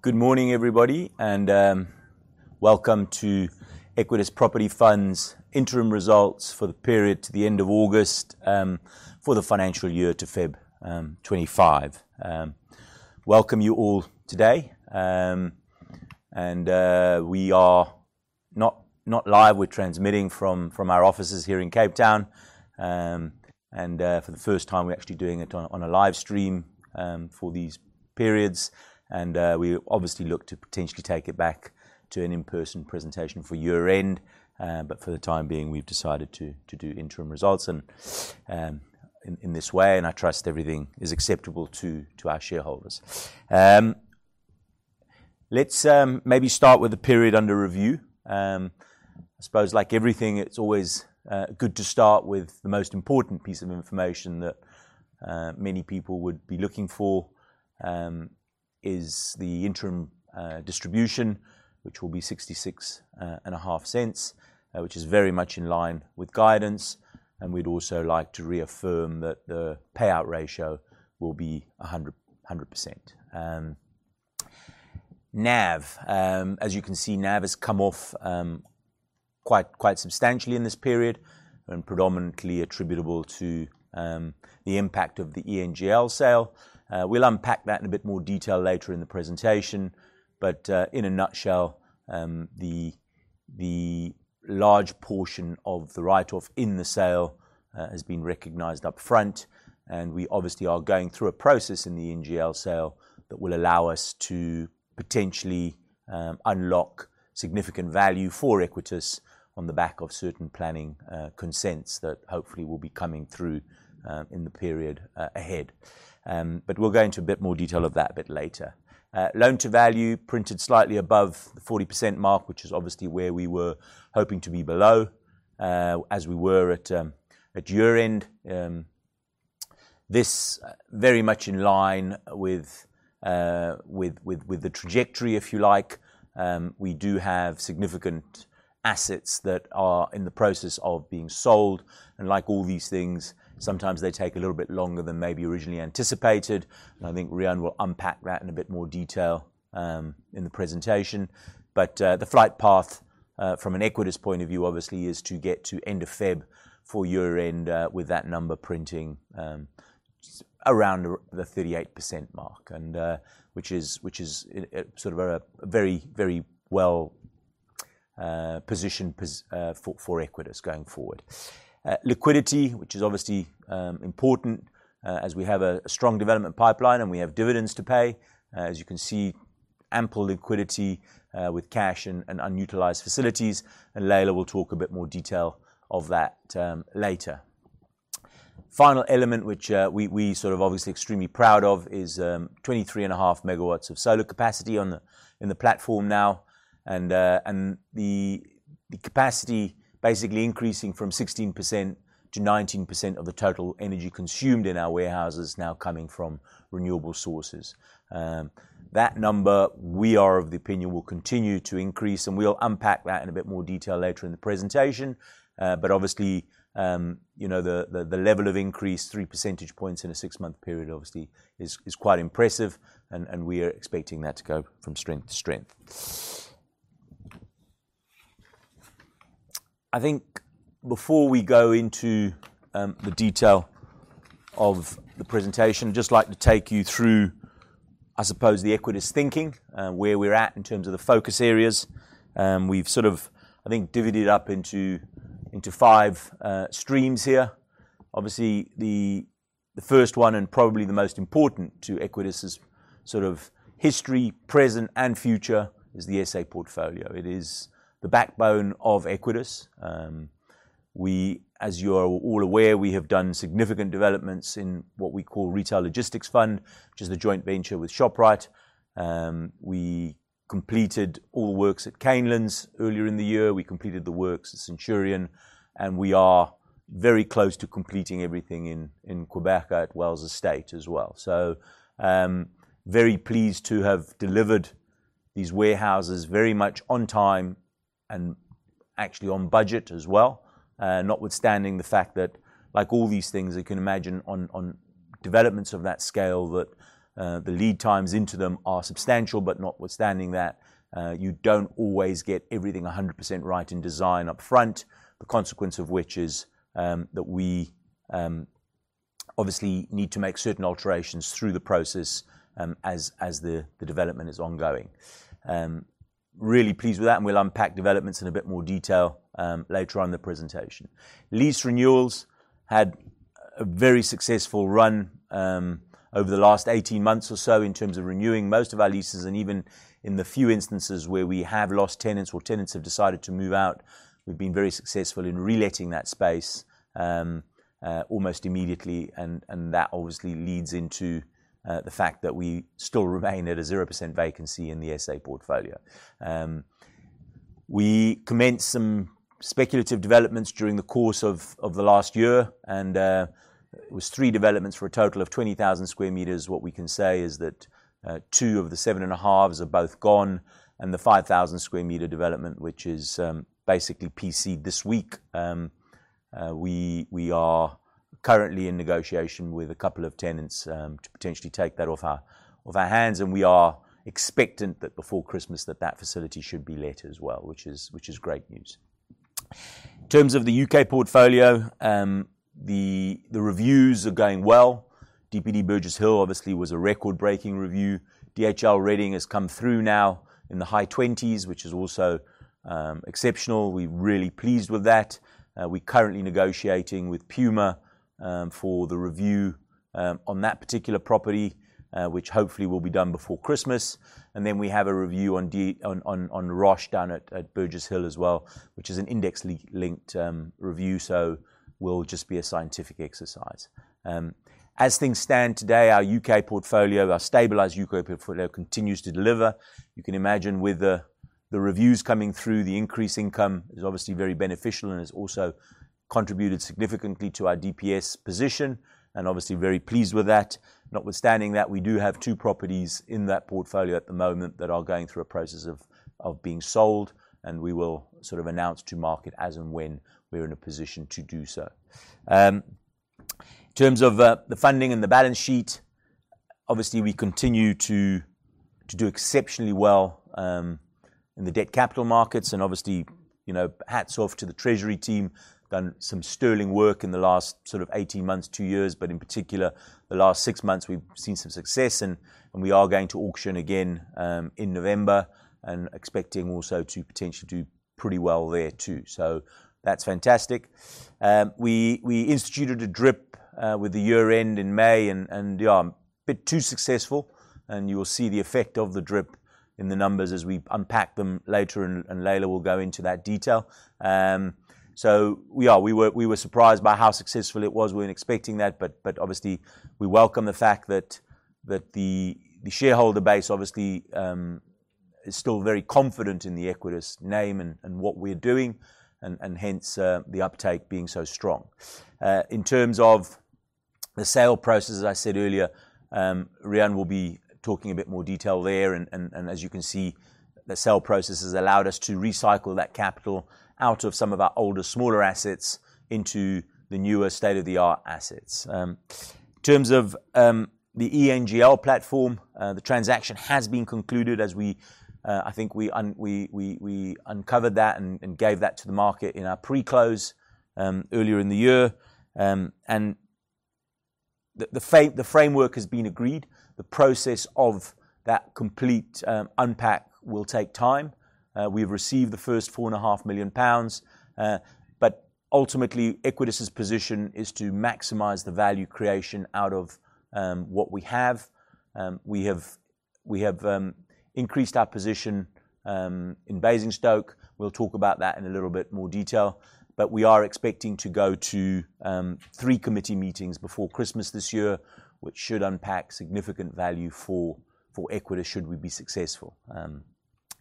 Good morning, everybody, and welcome to Equites Property Fund's interim results for the period to the end of August for the financial year to February 2025. Welcome you all today. We are not live. We're transmitting from our offices here in Cape Town. For the first time, we're actually doing it on a live stream for these periods. We obviously look to potentially take it back to an in-person presentation for year-end. For the time being, we've decided to do interim results in this way, and I trust everything is acceptable to our shareholders. Let's maybe start with the period under review. I suppose like everything, it's always good to start with the most important piece of information that many people would be looking for is the interim distribution, which will be 0.665, which is very much in line with guidance. We'd also like to reaffirm that the payout ratio will be 100%. NAV. As you can see, NAV has come off quite substantially in this period and predominantly attributable to the impact of the ENGL sale. We'll unpack that in a bit more detail later in the presentation. In a nutshell, the large portion of the write-off in the sale has been recognized up front, and we obviously are going through a process in the ENGL sale that will allow us to potentially unlock significant value for Equites on the back of certain planning consents that hopefully will be coming through in the period ahead. We'll go into a bit more detail of that a bit later. Loan-to-value printed slightly above the 40% mark, which is obviously where we were hoping to be below, as we were at year-end. This very much in line with the trajectory, if you like. We do have significant assets that are in the process of being sold. Like all these things, sometimes they take a little bit longer than maybe originally anticipated. I think Riaan will unpack that in a bit more detail in the presentation. The flight path from an Equites point of view, obviously, is to get to end of February for year-end with that number printing around the 38% mark and which is sort of a very, very well positioned for Equites going forward. Liquidity, which is obviously important, as we have a strong development pipeline and we have dividends to pay. As you can see, ample liquidity with cash and unutilized facilities. Laila will talk a bit more detail of that later. Final element which we sort of obviously extremely proud of is 23.5 MW of solar capacity on the in the platform now. The capacity basically increasing from 16% to 19% of the total energy consumed in our warehouses now coming from renewable sources. That number, we are of the opinion, will continue to increase, and we'll unpack that in a bit more detail later in the presentation. Obviously you know the level of increase, 3 percentage points in a six-month period, obviously is quite impressive and we are expecting that to go from strength to strength. I think before we go into the detail of the presentation, just like to take you through, I suppose, the Equites thinking, where we're at in terms of the focus areas. We've sort of, I think, divided up into five streams here. Obviously, the first one and probably the most important to Equites' sort of history, present, and future is the SA portfolio. It is the backbone of Equites. We, as you are all aware, have done significant developments in what we call Retail Logistics Fund, which is the joint venture with Shoprite. We completed all the works at Canelands earlier in the year. We completed the works at Centurion, and we are very close to completing everything in Coega at Wells Estate as well. Very pleased to have delivered these warehouses very much on time and actually on budget as well. Notwithstanding the fact that like all these things, you can imagine on developments of that scale that the lead times into them are substantial, but notwithstanding that, you don't always get everything 100% right in design upfront. The consequence of which is that we obviously need to make certain alterations through the process as the development is ongoing. Really pleased with that, and we'll unpack developments in a bit more detail later on in the presentation. Lease renewals had a very successful run over the last 18 months or so in terms of renewing most of our leases and even in the few instances where we have lost tenants or tenants have decided to move out, we've been very successful in reletting that space almost immediately, and that obviously leads into the fact that we still remain at a 0% vacancy in the SA portfolio. We commenced some speculative developments during the course of the last year, and it was 3 developments for a total of 20,000 sq m. What we can say is that two of the 7.5s are both gone and the 5,000 sq m development, which is basically PC'd this week. We are currently in negotiation with a couple of tenants to potentially take that off our hands, and we are expectant that before Christmas that that facility should be let as well, which is great news. In terms of the U.K. portfolio, the reviews are going well. DPD Burgess Hill obviously was a record-breaking review. DHL Reading has come through now in the high 20s, which is also exceptional. We're really pleased with that. We're currently negotiating with Puma for the review on that particular property, which hopefully will be done before Christmas. We have a review on D... Roche down at Burgess Hill as well, which is an index-linked review, so it will just be a scientific exercise. As things stand today, our U.K. portfolio, our stabilized U.K. portfolio continues to deliver. You can imagine with the reviews coming through, the increased income is obviously very beneficial and has also contributed significantly to our DPS position and obviously very pleased with that. Notwithstanding that, we do have two properties in that portfolio at the moment that are going through a process of being sold, and we will sort of announce to market as and when we're in a position to do so. In terms of the funding and the balance sheet, obviously we continue to do exceptionally well in the debt capital markets and obviously hats off to the treasury team. done some sterling work in the last sort of 18 months, two years, but in particular the last 6 months we've seen some success and we are going to auction again in November and expecting also to potentially do pretty well there too. That's fantastic. We instituted a DRIP with the year end in May and yeah, a bit too successful and you will see the effect of the DRIP in the numbers as we unpack them later and Laila will go into that detail. We were surprised by how successful it was. We weren't expecting that, but obviously we welcome the fact that the shareholder base obviously is still very confident in the Equites name and what we're doing and hence the uptake being so strong. In terms of the sale process, as I said earlier, Riaan will be talking a bit more detail there and as you can see, the sale process has allowed us to recycle that capital out of some of our older, smaller assets into the newer state-of-the-art assets. In terms of the ENGL platform, the transaction has been concluded as we, I think we uncovered that and gave that to the market in our pre-close earlier in the year. The framework has been agreed. The process of that complete unpack will take time. We've received the first 4.5 million pounds, but ultimately Equites' position is to maximize the value creation out of what we have. We have increased our position in Basingstoke. We'll talk about that in a little bit more detail, but we are expecting to go to three committee meetings before Christmas this year, which should unpack significant value for Equites should we be successful.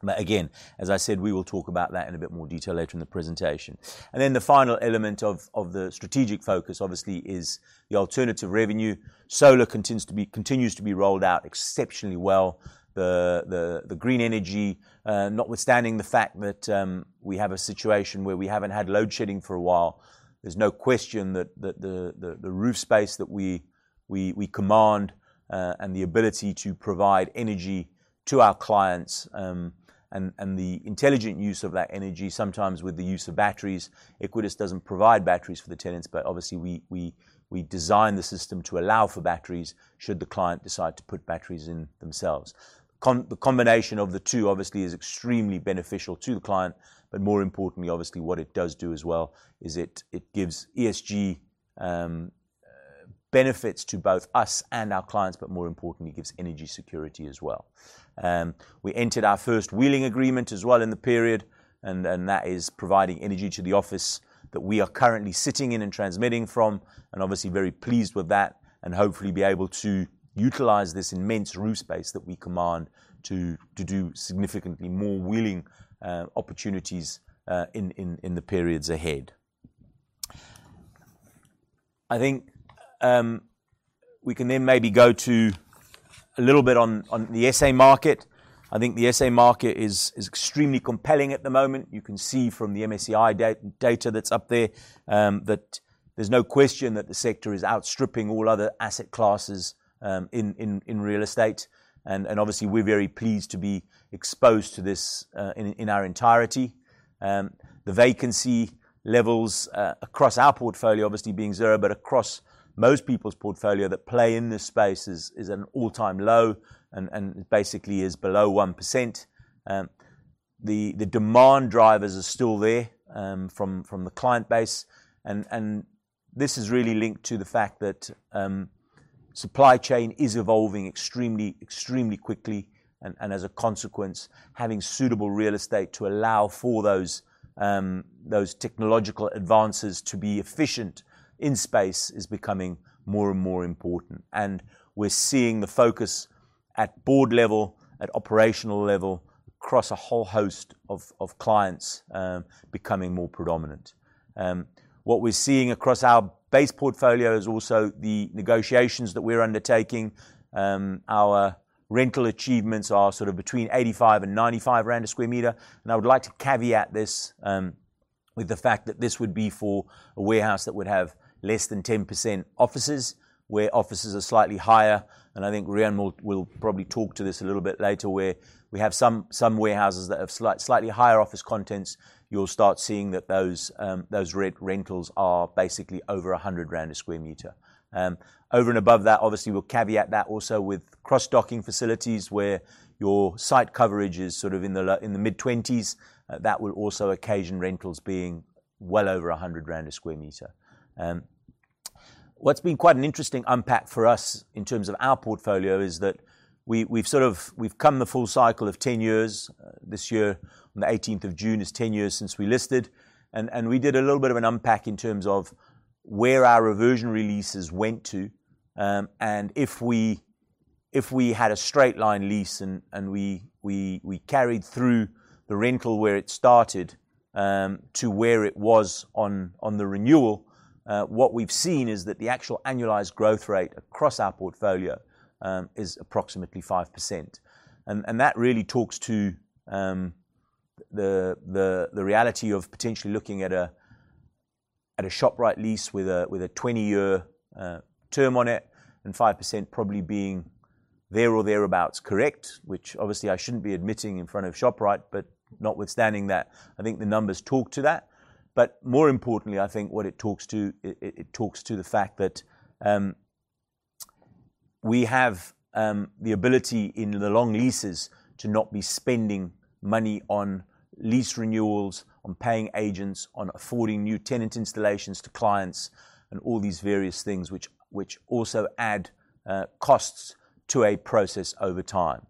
Again, as I said, we will talk about that in a bit more detail later in the presentation. The final element of the strategic focus obviously is the alternative revenue. Solar continues to be rolled out exceptionally well. The green energy notwithstanding the fact that we have a situation where we haven't had load shedding for a while, there's no question that the roof space that we command and the ability to provide energy to our clients and the intelligent use of that energy, sometimes with the use of batteries. Equites doesn't provide batteries for the tenants, but obviously we design the system to allow for batteries should the client decide to put batteries in themselves. The combination of the two obviously is extremely beneficial to the client, but more importantly, obviously what it does do as well is it gives ESG benefits to both us and our clients, but more importantly gives energy security as well. We entered our first wheeling agreement as well in the period, and that is providing energy to the office that we are currently sitting in and transmitting from and obviously very pleased with that and hopefully be able to utilize this immense roof space that we command to do significantly more wheeling opportunities in the periods ahead. I think we can then maybe go to a little bit on the SA market. I think the SA market is extremely compelling at the moment. You can see from the MSCI data that's up there that there's no question that the sector is outstripping all other asset classes in real estate and obviously we're very pleased to be exposed to this in our entirety. The vacancy levels across our portfolio obviously being 0, but across most people's portfolio that play in this space is an all-time low and basically is below 1%. The demand drivers are still there from the client base and this is really linked to the fact that supply chain is evolving extremely quickly and as a consequence, having suitable real estate to allow for those technological advances to be efficient in space is becoming more and more important. We're seeing the focus at board level, at operational level, across a whole host of clients becoming more predominant. What we're seeing across our base portfolio is also the negotiations that we're undertaking. Our rental achievements are sort of between 85-95 rand a sq m. I would like to caveat this with the fact that this would be for a warehouse that would have less than 10% offices, where offices are slightly higher. I think Riaan will probably talk to this a little bit later, where we have some warehouses that have slightly higher office contents. You'll start seeing that those re-rentals are basically over 100 rand/sq m. Over and above that, obviously, we'll caveat that also with cross-docking facilities where your site coverage is sort of in the mid-20s. That will also occasion rentals being well over 100 rand/sq m. What's been quite an interesting unpack for us in terms of our portfolio is that we've come the full cycle of 10 years. This year on the eighteenth of June is 10 years since we listed and we did a little bit of an unpack in terms of where our reversion releases went to. If we had a straight line lease and we carried through the rental where it started to where it was on the renewal, what we've seen is that the actual annualized growth rate across our portfolio is approximately 5%. That really talks to the reality of potentially looking at a Shoprite lease with a 20-year term on it and 5% probably being there or thereabouts correct, which obviously I shouldn't be admitting in front of Shoprite, but notwithstanding that, I think the numbers talk to that. More importantly, I think what it talks to the fact that we have the ability in the long leases to not be spending money on lease renewals, on paying agents, on affording new tenant installations to clients and all these various things which also add costs to a process over time.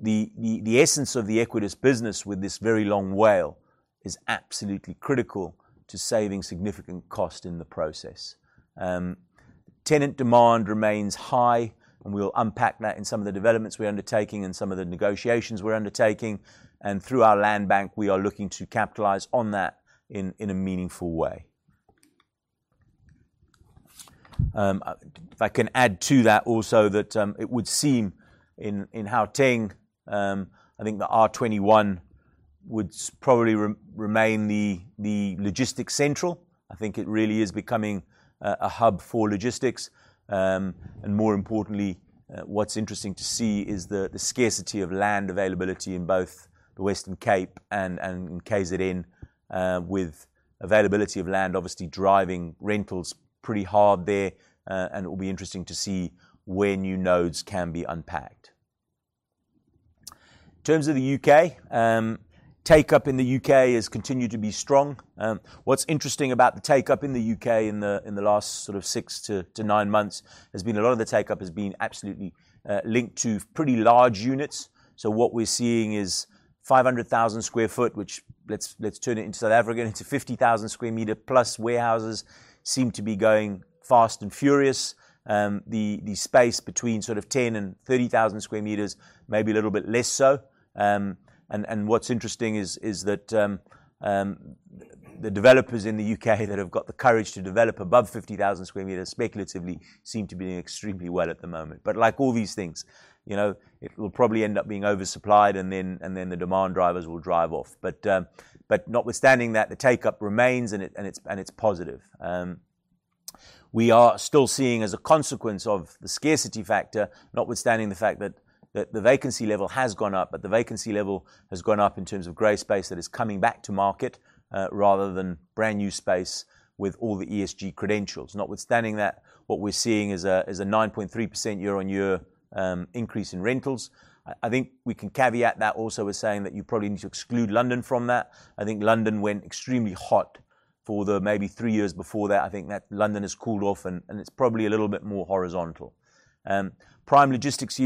The essence of the Equites business with this very long WALE is absolutely critical to saving significant cost in the process. Tenant demand remains high, and we'll unpack that in some of the developments we're undertaking and some of the negotiations we're undertaking. Through our land bank, we are looking to capitalize on that in a meaningful way. If I can add to that also that it would seem in Gauteng I think the R21 would probably remain the logistics central. I think it really is becoming a hub for logistics. More importantly, what's interesting to see is the scarcity of land availability in both the Western Cape and KZN with availability of land obviously driving rentals pretty hard there. It will be interesting to see where new nodes can be unpacked. In terms of the U.K., take-up in the U.K. has continued to be strong. What's interesting about the take-up in the U.K. in the last sort of 6-9 months has been a lot of the take-up has been absolutely linked to pretty large units. What we're seeing is 500,000 sq ft, which let's turn it into South African into 50,000 sq m-plus warehouses seem to be going fast and furious. The space between sort of 10,000-30,000 sq m, maybe a little bit less so. And what's interesting is that the developers in the U.K. that have got the courage to develop above 50,000 sq m speculatively seem to be doing extremely well at the moment. But like all these things it will probably end up being oversupplied and then the demand drivers will dry up. But notwithstanding that, the take-up remains and it's positive. We are still seeing as a consequence of the scarcity factor, notwithstanding the fact that the vacancy level has gone up in terms of gray space that is coming back to market, rather than brand-new space with all the ESG credentials. Notwithstanding that, what we're seeing is a 9.3% year-on-year increase in rentals. I think we can caveat that also with saying that you probably need to exclude London from that. I think London went extremely hot for the maybe three years before that. I think that London has cooled off and it's probably a little bit more horizontal. Prime logistics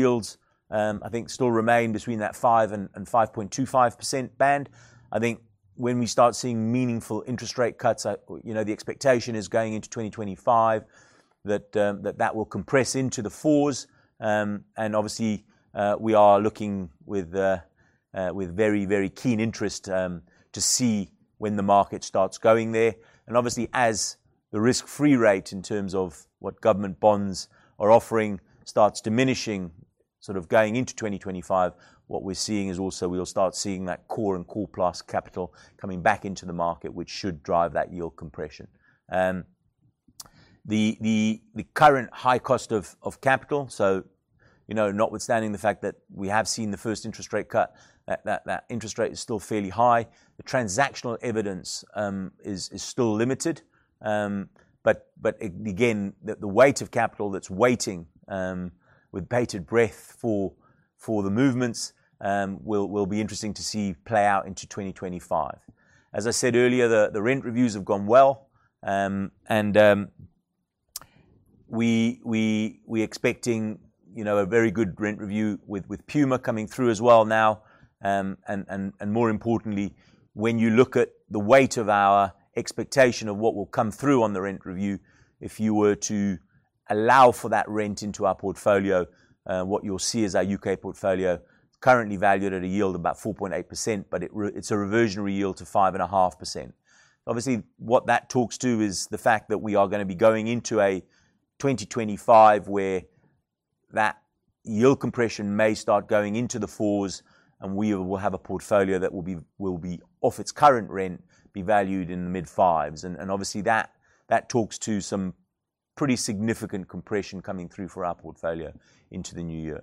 yields, I think still remain between 5% and 5.25% band. I think when we start seeing meaningful interest rate cuts the expectation is going into 2025 that will compress into the fours. Obviously, we are looking with very keen interest to see when the market starts going there. Obviously, as the risk-free rate in terms of what government bonds are offering starts diminishing sort of going into 2025, what we're seeing is also we'll start seeing that core and core plus capital coming back into the market, which should drive that yield compression. The current high cost of capital, so notwithstanding the fact that we have seen the first interest rate cut, that interest rate is still fairly high. The transactional evidence is still limited. The weight of capital that's waiting with bated breath for the movements will be interesting to see play out into 2025. As I said earlier, the rent reviews have gone well. We expecting you know a very good rent review with Puma coming through as well now. More importantly, when you look at the weight of our expectation of what will come through on the rent review, if you were to allow for that rent into our portfolio, what you'll see is our U.K. portfolio currently valued at a yield of about 4.8%, but it's a reversionary yield to 5.5%. Obviously, what that talks to is the fact that we are gonna be going into a 2025 where that yield compression may start going into the 4s, and we will have a portfolio that will be off its current rent, be valued in the mid-5s. Obviously that talks to some pretty significant compression coming through for our portfolio into the new year.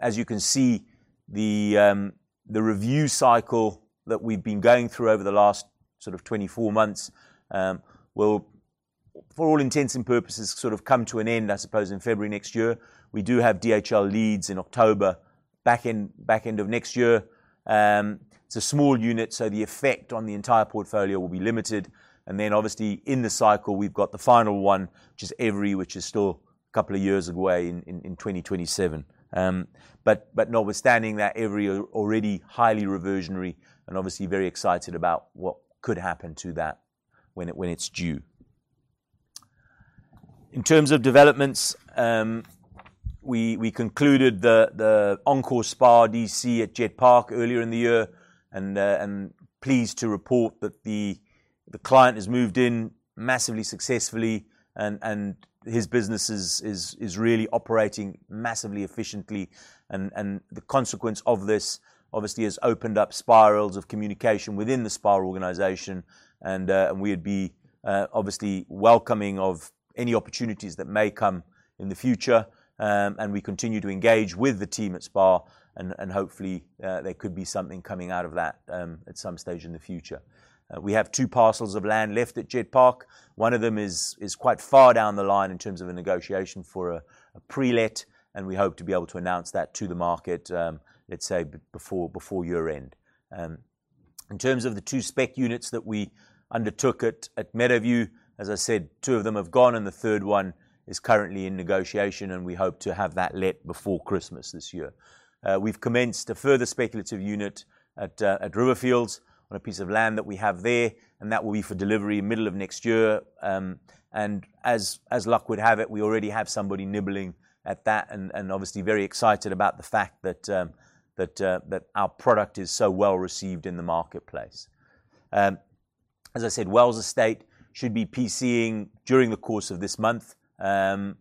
As you can see, the review cycle that we've been going through over the last sort of 24 months will for all intents and purposes sort of come to an end, I suppose, in February next year. We do have DHL lease in October, back end of next year. It's a small unit, so the effect on the entire portfolio will be limited. Obviously in the cycle, we've got the final one, which is Avery, which is still a couple of years away in 2027. Notwithstanding that, Avery is already highly reversionary and obviously very excited about what could happen to that when it's due. In terms of developments, we concluded the Encore SPAR DC at Jet Park earlier in the year and we are pleased to report that the client has moved in massively successfully and his business is really operating massively efficiently and the consequence of this obviously has opened up spirals of communication within the SPAR organization and we'd be obviously welcoming of any opportunities that may come in the future. We continue to engage with the team at SPAR and hopefully there could be something coming out of that at some stage in the future. We have two parcels of land left at Jet Park. One of them is quite far down the line in terms of a negotiation for a pre-let, and we hope to be able to announce that to the market, let's say before year-end. In terms of the two spec units that we undertook at Meadowview, as I said, two of them have gone and the third one is currently in negotiation, and we hope to have that let before Christmas this year. We've commenced a further speculative unit at River Fields on a piece of land that we have there, and that will be for delivery middle of next year. As luck would have it, we already have somebody nibbling at that and obviously very excited about the fact that our product is so well received in the marketplace. As I said, Wells Estate should be PC'ing during the course of this month, and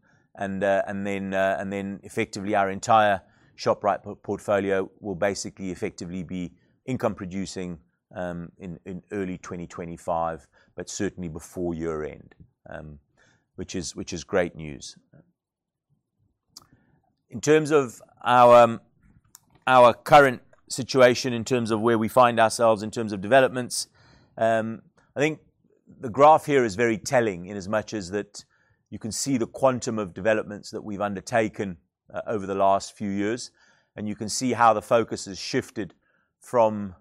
then effectively our entire Shoprite portfolio will basically effectively be income producing in early 2025, but certainly before year-end, which is great news. In terms of our current situation, in terms of where we find ourselves, in terms of developments, I think the graph here is very telling in as much as that you can see the quantum of developments that we've undertaken over the last few years, and you can see how the focus has shifted from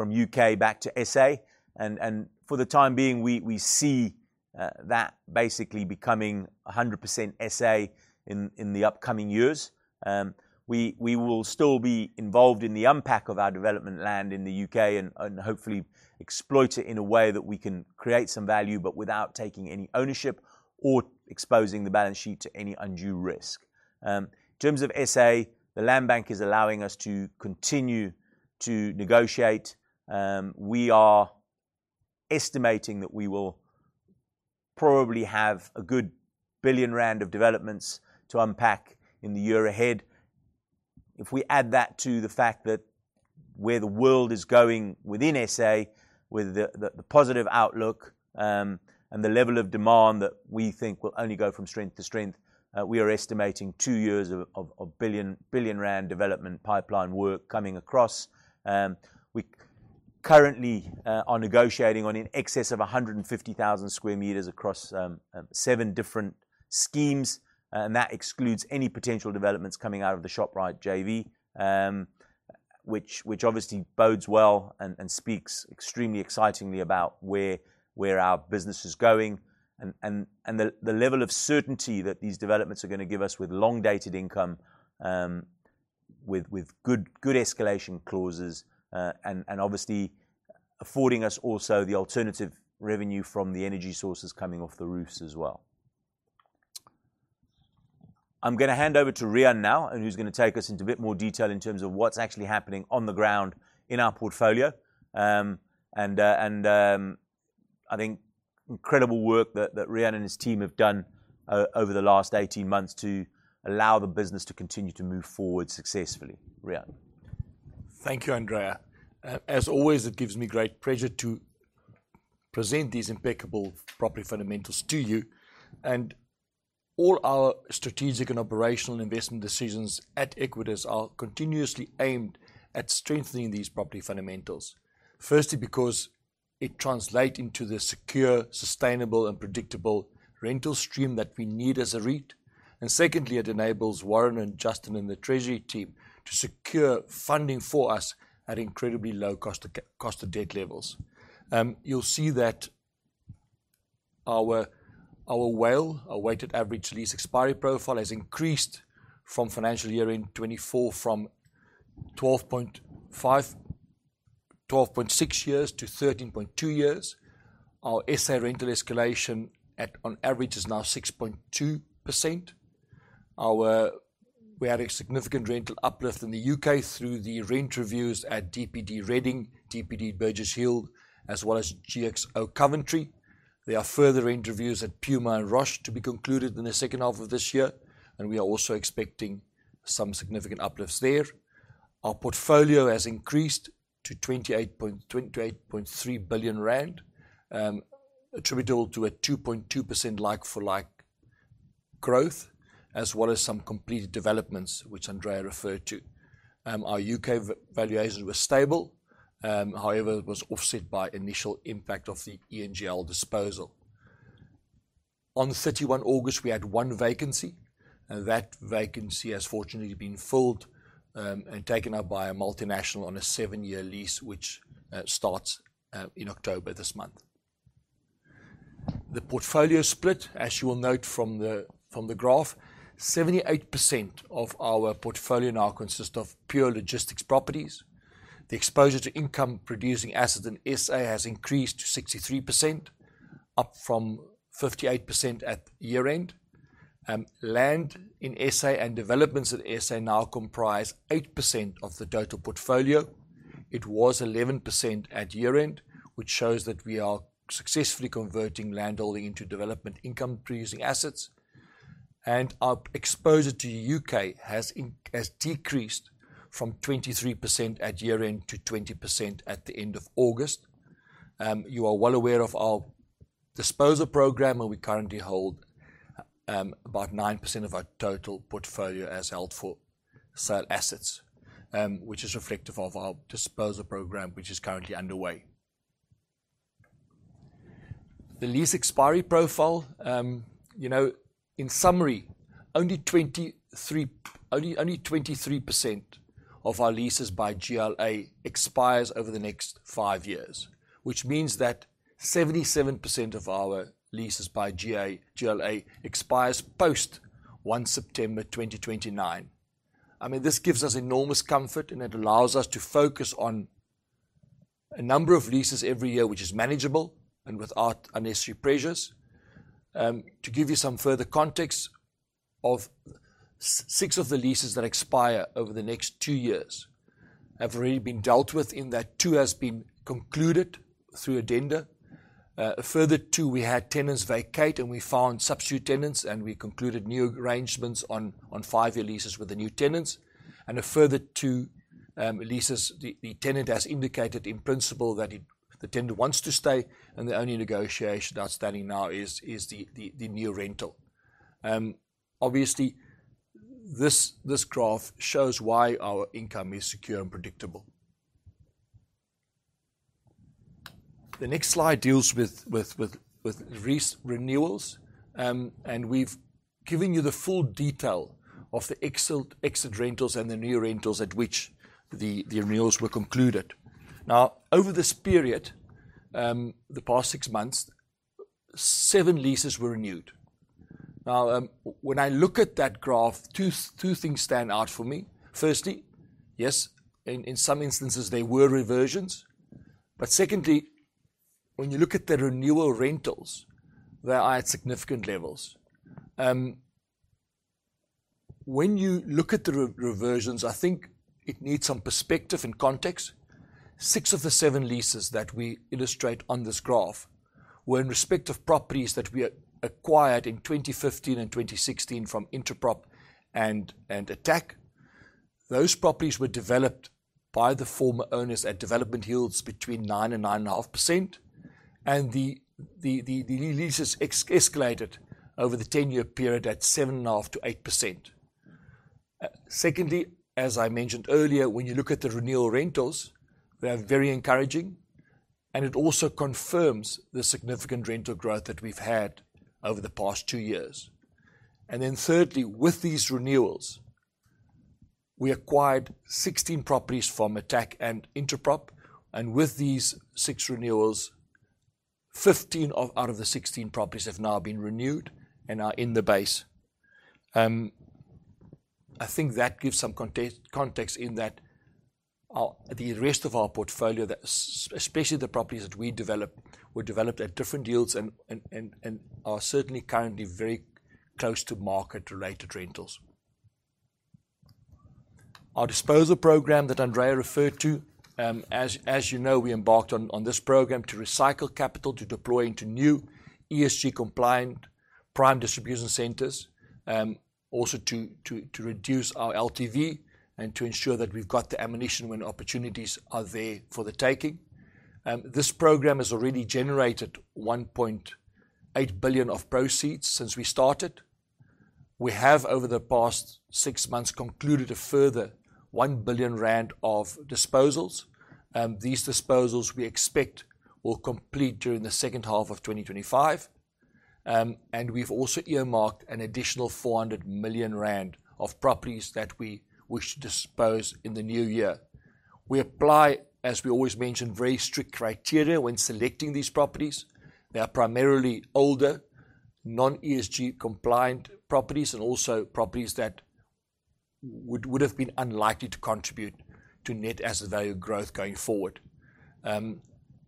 UK back to SA. For the time being, we see that basically becoming 100% SA in the upcoming years. We will still be involved in the unpack of our development land in the UK and hopefully exploit it in a way that we can create some value, but without taking any ownership or exposing the balance sheet to any undue risk. In terms of SA, the Land Bank is allowing us to continue to negotiate. We are estimating that we will probably have 1 billion rand of developments to unpack in the year ahead. If we add that to the fact that where the world is going within SA, with the positive outlook, and the level of demand that we think will only go from strength to strength, we are estimating two years of 1 billion rand development pipeline work coming across. We currently are negotiating on in excess of 150,000 sq m across seven different schemes, and that excludes any potential developments coming out of the Shoprite JV, which obviously bodes well and the level of certainty that these developments are gonna give us with long-dated income, with good escalation clauses, and obviously affording us also the alternative revenue from the energy sources coming off the roofs as well. I'm gonna hand over to Riaan now, who's gonna take us into a bit more detail in terms of what's actually happening on the ground in our portfolio. I think incredible work that Riaan and his team have done over the last 18 months to allow the business to continue to move forward successfully. Riaan. Thank you, Andrea. As always, it gives me great pleasure to present these impeccable property fundamentals to you. All our strategic and operational investment decisions at Equites are continuously aimed at strengthening these property fundamentals. Firstly, because it translate into the secure, sustainable, and predictable rental stream that we need as a REIT. Secondly, it enables Warren and Justin and the treasury team to secure funding for us at incredibly low cost of debt levels. You'll see that our WALE, our weighted average lease expiry profile, has increased from financial year end 2024 from 12.6 years to 13.2 years. Our SA rental escalation at, on average is now 6.2%. We had a significant rental uplift in the U.K. through the rent reviews at DPD Reading, DPD Burgess Hill, as well as GXO Coventry. There are further rent reviews at Puma and Roche to be concluded in the H2 of this year, and we are also expecting some significant uplifts there. Our portfolio has increased to 28.3 billion rand, attributable to a 2.2% like-for-like growth, as well as some completed developments, which Andrea referred to. Our U.K. valuations were stable, however, it was offset by initial impact of the ENGL disposal. On 31 August, we had one vacancy, and that vacancy has fortunately been filled, and taken up by a multinational on a seven-year lease, which starts in October this month. The portfolio split, as you will note from the graph, 78% of our portfolio now consists of pure logistics properties. The exposure to income producing assets in SA has increased to 63%, up from 58% at year-end. Land in SA and developments at SA now comprise 8% of the total portfolio. It was 11% at year-end, which shows that we are successfully converting landholding into development income producing assets. Our exposure to U.K. has decreased from 23% at year-end to 20% at the end of August. You are well aware of our disposal program, and we currently hold about 9% of our total portfolio as held for sale assets, which is reflective of our disposal program, which is currently underway. The lease expiry profile in summary, only 23% of our leases by GLA expires over the next five years, which means that 77% of our leases by GLA expires post 1 September 2029. I mean, this gives us enormous comfort, and it allows us to focus on a number of leases every year, which is manageable and without unnecessary pressures. To give you some further context, six of the leases that expire over the next two years have already been dealt with in that two have been concluded through addenda. A further two, we had tenants vacate, and we found substitute tenants, and we concluded new arrangements on five-year leases with the new tenants. A further two leases, the tenant has indicated in principle that he, the tenant wants to stay, and the only negotiation outstanding now is the new rental. Obviously, this graph shows why our income is secure and predictable. The next slide deals with lease renewals, and we've given you the full detail of the exit rentals and the new rentals at which the renewals were concluded. Now, over this period, the past 6 months, 7 leases were renewed. Now, when I look at that graph, two things stand out for me. Firstly, yes, in some instances, they were reversions. Secondly, when you look at the renewal rentals, they are at significant levels. When you look at the reversions, I think it needs some perspective and context. Six of the seven leases that we illustrate on this graph were in respect of properties that we acquired in 2015 and 2016 from Intaprop and Attacq. Those properties were developed by the former owners at development yields between 9%-9.5%, and the leases escalated over the ten-year period at 7.5%-8%. Secondly, as I mentioned earlier, when you look at the renewal rentals, they are very encouraging, and it also confirms the significant rental growth that we've had over the past two years. Thirdly, with these renewals, we acquired 16 properties from Attacq and Intaprop, and with these six renewals, 15 out of the 16 properties have now been renewed and are in the base. I think that gives some context in that our the rest of our portfolio that especially the properties that we developed, were developed at different yields and are certainly currently very close to market-related rentals. Our disposal program that Andrea referred to, as you know, we embarked on this program to recycle capital to deploy into new ESG compliant prime distribution centers, also to reduce our LTV and to ensure that we've got the ammunition when opportunities are there for the taking. This program has already generated 1.8 billion of proceeds since we started. We have, over the past six months, concluded a further 1 billion rand of disposals. These disposals we expect will complete during the H2 of 2025. We've also earmarked an additional 400 million rand of properties that we wish to dispose in the new year. We apply, as we always mention, very strict criteria when selecting these properties. They are primarily older, non-ESG compliant properties and also properties that would have been unlikely to contribute to net asset value growth going forward.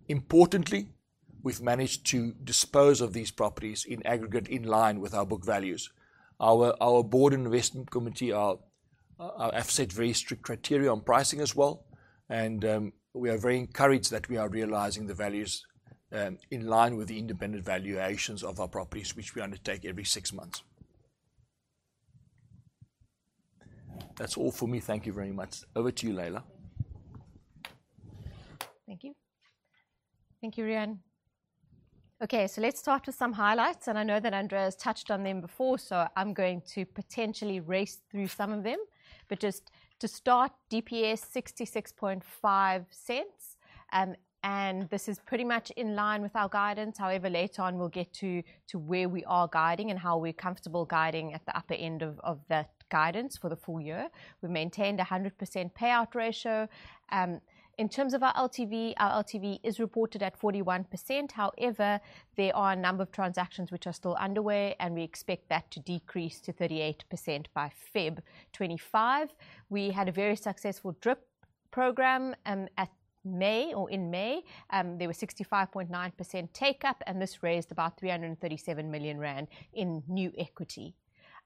Importantly, we've managed to dispose of these properties in aggregate in line with our book values. Our board and investment committee have set very strict criteria on pricing as well, and we are very encouraged that we are realizing the values in line with the independent valuations of our properties which we undertake every six months. That's all for me. Thank you very much. Over to you, Laila. Thank you. Thank you, Riaan. Okay, let's start with some highlights, and I know that Andrea has touched on them before, so I'm going to potentially race through some of them. Just to start, DPS 0.665, and this is pretty much in line with our guidance. However, later on we'll get to where we are guiding and how we're comfortable guiding at the upper end of that guidance for the full year. We've maintained 100% payout ratio. In terms of our LTV, our LTV is reported at 41%. However, there are a number of transactions which are still underway, and we expect that to decrease to 38% by Feb 2025. We had a very successful DRIP program in May. There was 65.9% take-up, and this raised about 337 million rand in new equity.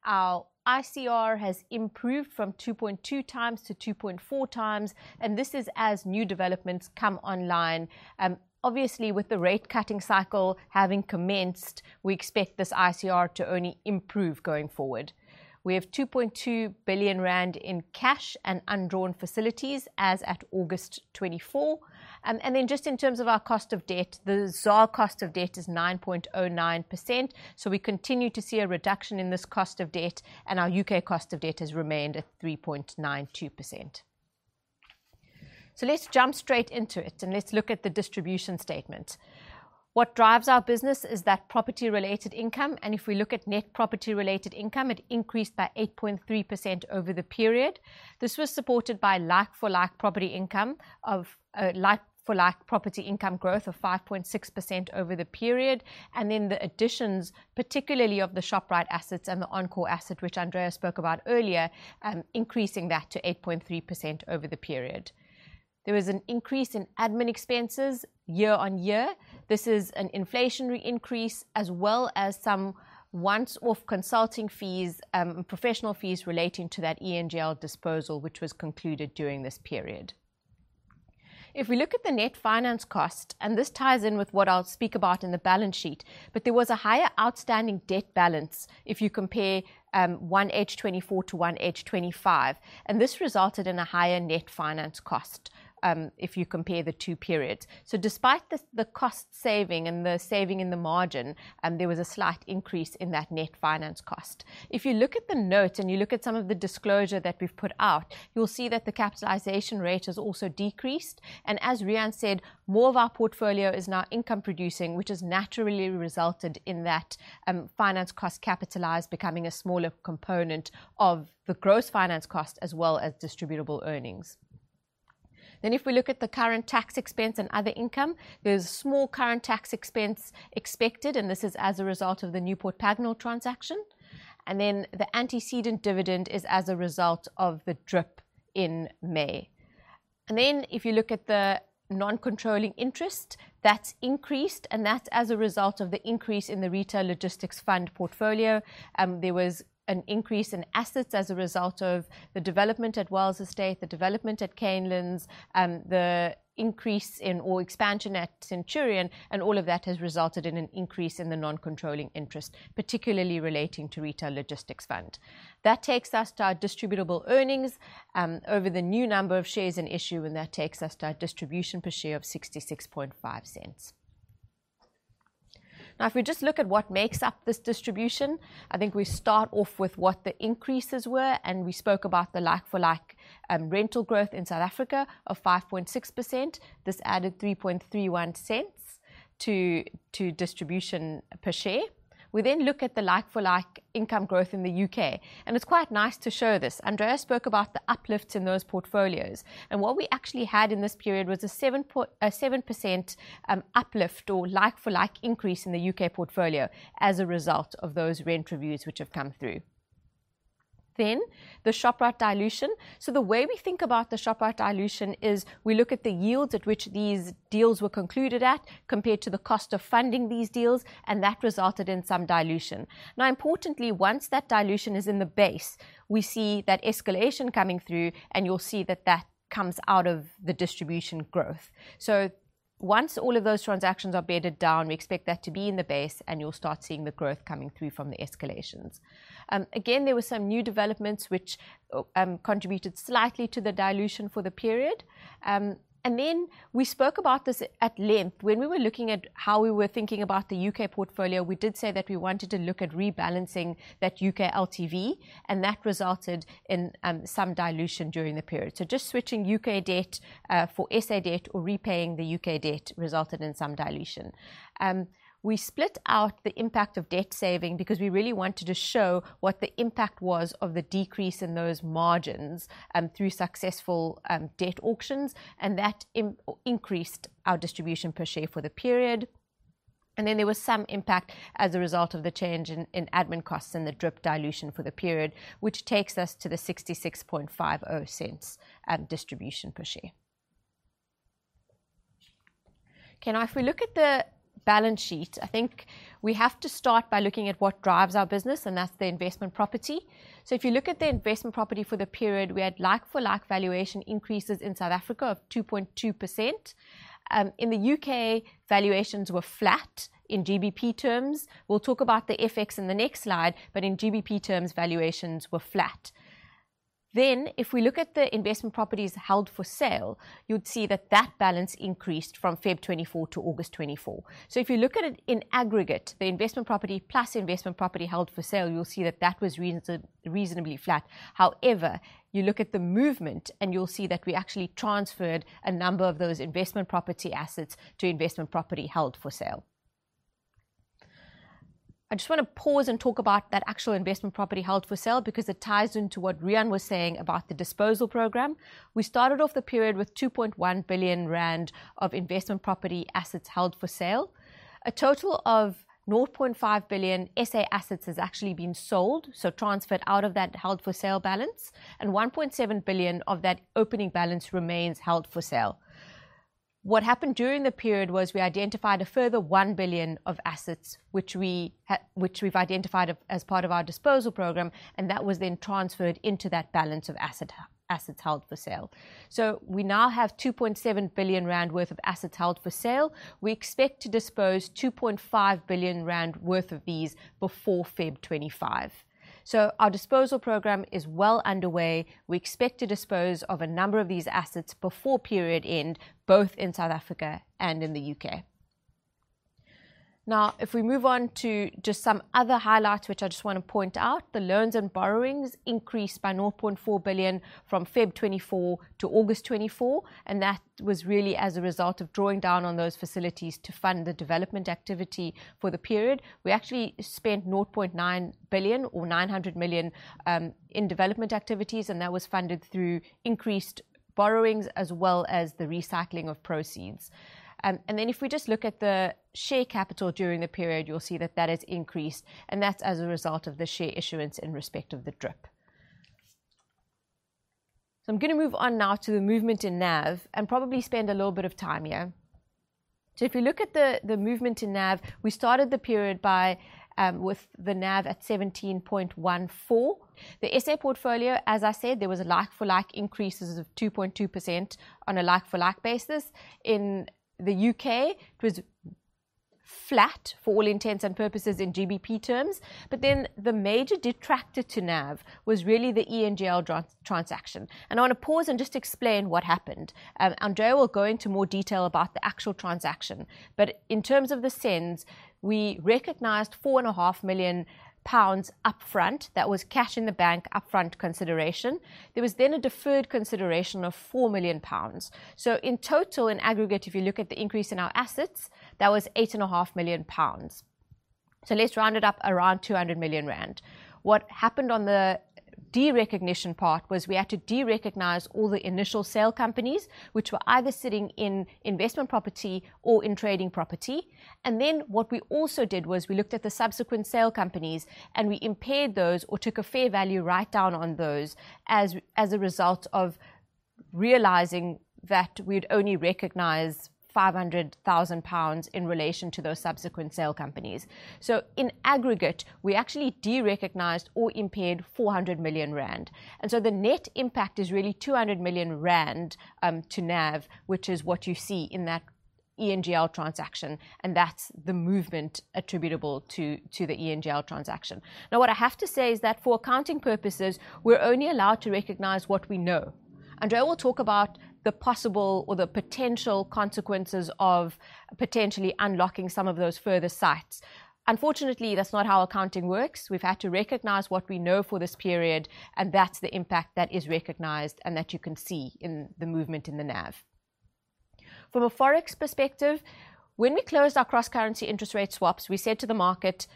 Our ICR has improved from 2.2 times to 2.4 times, and this is as new developments come online. Obviously, with the rate cutting cycle having commenced, we expect this ICR to only improve going forward. We have 2.2 billion rand in cash and undrawn facilities as at August 2024. And then just in terms of our cost of debt, the ZAR cost of debt is 9.09%, so we continue to see a reduction in this cost of debt, and our U.K. cost of debt has remained at 3.92%. Let's jump straight into it and let's look at the distribution statement. What drives our business is that property-related income, and if we look at net property-related income, it increased by 8.3% over the period. This was supported by like-for-like property income growth of 5.6% over the period, and then the additions, particularly of the Shoprite assets and the Encore asset, which Andrea spoke about earlier, increasing that to 8.3% over the period. There was an increase in admin expenses year-on-year. This is an inflationary increase as well as some one-off consulting fees, professional fees relating to that E&JL disposal, which was concluded during this period. If we look at the net finance cost, and this ties in with what I'll speak about in the balance sheet, but there was a higher outstanding debt balance if you compare 1H 2024 to 1H 2025, and this resulted in a higher net finance cost if you compare the two periods. Despite the cost saving and the saving in the margin, there was a slight increase in that net finance cost. If you look at the notes and you look at some of the disclosure that we've put out, you'll see that the capitalization rate has also decreased. As Riaan said, more of our portfolio is now income producing, which has naturally resulted in that finance cost capitalized becoming a smaller component of the gross finance cost as well as distributable earnings. If we look at the current tax expense and other income, there's a small current tax expense expected, and this is as a result of the Newport Pagnell transaction. The antecedent dividend is as a result of the DRIP in May. If you look at the non-controlling interest, that's increased, and that's as a result of the increase in the Retail Logistics Fund portfolio. There was an increase in assets as a result of the development at Wells Estate, the development at Kanaland, the increase in or expansion at Centurion, and all of that has resulted in an increase in the non-controlling interest, particularly relating to Retail Logistics Fund. That takes us to our distributable earnings over the new number of shares in issue, and that takes us to our distribution per share of 0.665. Now, if we just look at what makes up this distribution, I think we start off with what the increases were, and we spoke about the like-for-like rental growth in South Africa of 5.6%. This added 0.0331 to distribution per share. We then look at the like-for-like income growth in the U.K., and it's quite nice to show this. Andrea spoke about the uplifts in those portfolios. What we actually had in this period was a 7% uplift or like-for-like increase in the U.K. portfolio as a result of those rent reviews which have come through. The Shoprite dilution. The way we think about the Shoprite dilution is we look at the yields at which these deals were concluded at compared to the cost of funding these deals, and that resulted in some dilution. Now, importantly, once that dilution is in the base, we see that escalation coming through, and you'll see that that comes out of the distribution growth. Once all of those transactions are bedded down, we expect that to be in the base, and you'll start seeing the growth coming through from the escalations. Again, there were some new developments which contributed slightly to the dilution for the period. We spoke about this at length. When we were looking at how we were thinking about the U.K. portfolio, we did say that we wanted to look at rebalancing that U.K. LTV, and that resulted in some dilution during the period. Just switching U.K. debt for SA debt or repaying the U.K. debt resulted in some dilution. We split out the impact of debt saving because we really wanted to show what the impact was of the decrease in those margins through successful debt auctions, and that increased our distribution per share for the period. There was some impact as a result of the change in admin costs and the DRIP dilution for the period, which takes us to the 0.6650 distribution per share. Okay, now if we look at the balance sheet, I think we have to start by looking at what drives our business, and that's the investment property. If you look at the investment property for the period, we had like-for-like valuation increases in South Africa of 2.2%. In the U.K., valuations were flat in GBP terms. We'll talk about the FX in the next slide, but in GBP terms, valuations were flat. If we look at the investment properties held for sale, you'd see that that balance increased from Feb 2024 to August 2024. If you look at it in aggregate, the investment property plus investment property held for sale, you'll see that that was reasonably flat. However, you look at the movement, and you'll see that we actually transferred a number of those investment property assets to investment property held for sale. I just want to pause and talk about that actual investment property held for sale because it ties into what Riaan was saying about the disposal program. We started off the period with 2.1 billion rand of investment property assets held for sale. A total of 0.5 billion SA assets has actually been sold, so transferred out of that held for sale balance, and 1.7 billion of that opening balance remains held for sale. What happened during the period was we identified a further 1 billion of assets, which we've identified as part of our disposal program, and that was then transferred into that balance of assets held for sale. We now have 2.7 billion rand worth of assets held for sale. We expect to dispose 2.5 billion rand worth of these before February 2025. Our disposal program is well underway. We expect to dispose of a number of these assets before period end, both in South Africa and in the U.K. Now, if we move on to just some other highlights, which I just wanna point out, the loans and borrowings increased by 0.4 billion from Feb 2024 to August 2024, and that was really as a result of drawing down on those facilities to fund the development activity for the period. We actually spent 0.9 billion or 900 million in development activities, and that was funded through increased borrowings as well as the recycling of proceeds. If we just look at the share capital during the period, you'll see that that has increased, and that's as a result of the share issuance in respect of the DRIP. I'm gonna move on now to the movement in NAV and probably spend a little bit of time here. If we look at the movement in NAV, we started the period with the NAV at 17.14. The SA portfolio, as I said, there was a like-for-like increases of 2.2% on a like-for-like basis. In the UK, it was flat for all intents and purposes in GBP terms. The major detractor to NAV was really the ENGL transaction. I wanna pause and just explain what happened. Andrea will go into more detail about the actual transaction, but in terms of the SENS, we recognized 4.5 million pounds upfront. That was cash in the bank upfront consideration. There was then a deferred consideration of 4 million pounds. In total, in aggregate, if you look at the increase in our assets, that was 8.5 million pounds. Let's round it up around 200 million rand. What happened on the derecognition part was we had to derecognize all the initial sale companies, which were either sitting in investment property or in trading property. Then what we also did was we looked at the subsequent sale companies, and we impaired those or took a fair value write down on those as a result of realizing that we'd only recognize 500,000 pounds in relation to those subsequent sale companies. In aggregate, we actually derecognized or impaired 400 million rand. The net impact is really 200 million rand to NAV, which is what you see in that E&JL transaction, and that's the movement attributable to the E&JL transaction. Now, what I have to say is that for accounting purposes, we're only allowed to recognize what we know. Andrea will talk about the possible or the potential consequences of potentially unlocking some of those further sites. Unfortunately, that's not how accounting works. We've had to recognize what we know for this period, and that's the impact that is recognized and that you can see in the movement in the NAV. From a Forex perspective, when we closed our cross-currency interest rate swaps, we said to the market,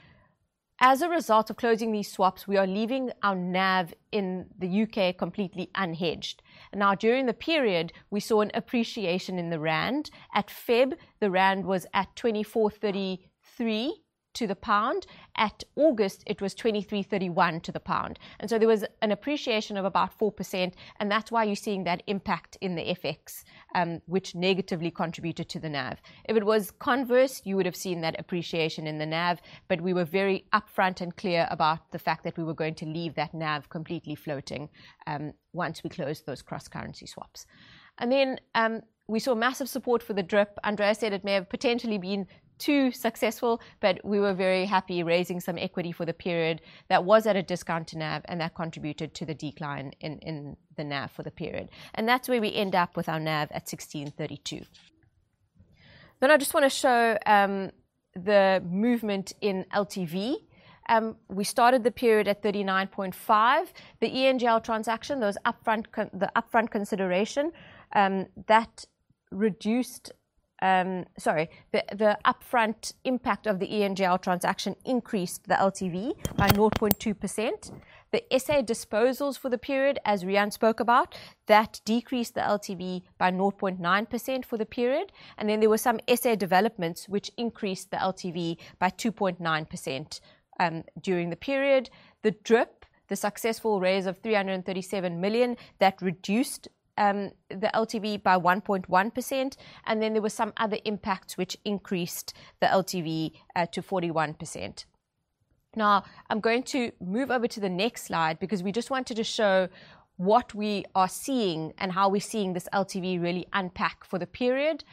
"As a result of closing these swaps, we are leaving our NAV in the U.K. completely unhedged." Now, during the period, we saw an appreciation in the rand. At February, the rand was at 24.33 to the pound. At August, it was 23.31 to the pound. There was an appreciation of about 4%, and that's why you're seeing that impact in the FX, which negatively contributed to the NAV. If it was converse, you would have seen that appreciation in the NAV, but we were very upfront and clear about the fact that we were going to leave that NAV completely floating once we closed those cross-currency swaps. We saw massive support for the DRIP. Andrea said it may have potentially been too successful, but we were very happy raising some equity for the period that was at a discount to NAV, and that contributed to the decline in the NAV for the period. That's where we end up with our NAV at 16.32. I just wanna show the movement in LTV. We started the period at 39.5. The upfront impact of the E&JL transaction increased the LTV by 0.2%. The SA disposals for the period, as Rian spoke about, decreased the LTV by 0.9% for the period. There were some SA developments which increased the LTV by 2.9% during the period. The DRIP. The successful raise of 337 million reduced the LTV by 1.1%, and there were some other impacts which increased the LTV to 41%. Now, I'm going to move over to the next slide because we just wanted to show what we are seeing and how we're seeing this LTV really unpack for the period.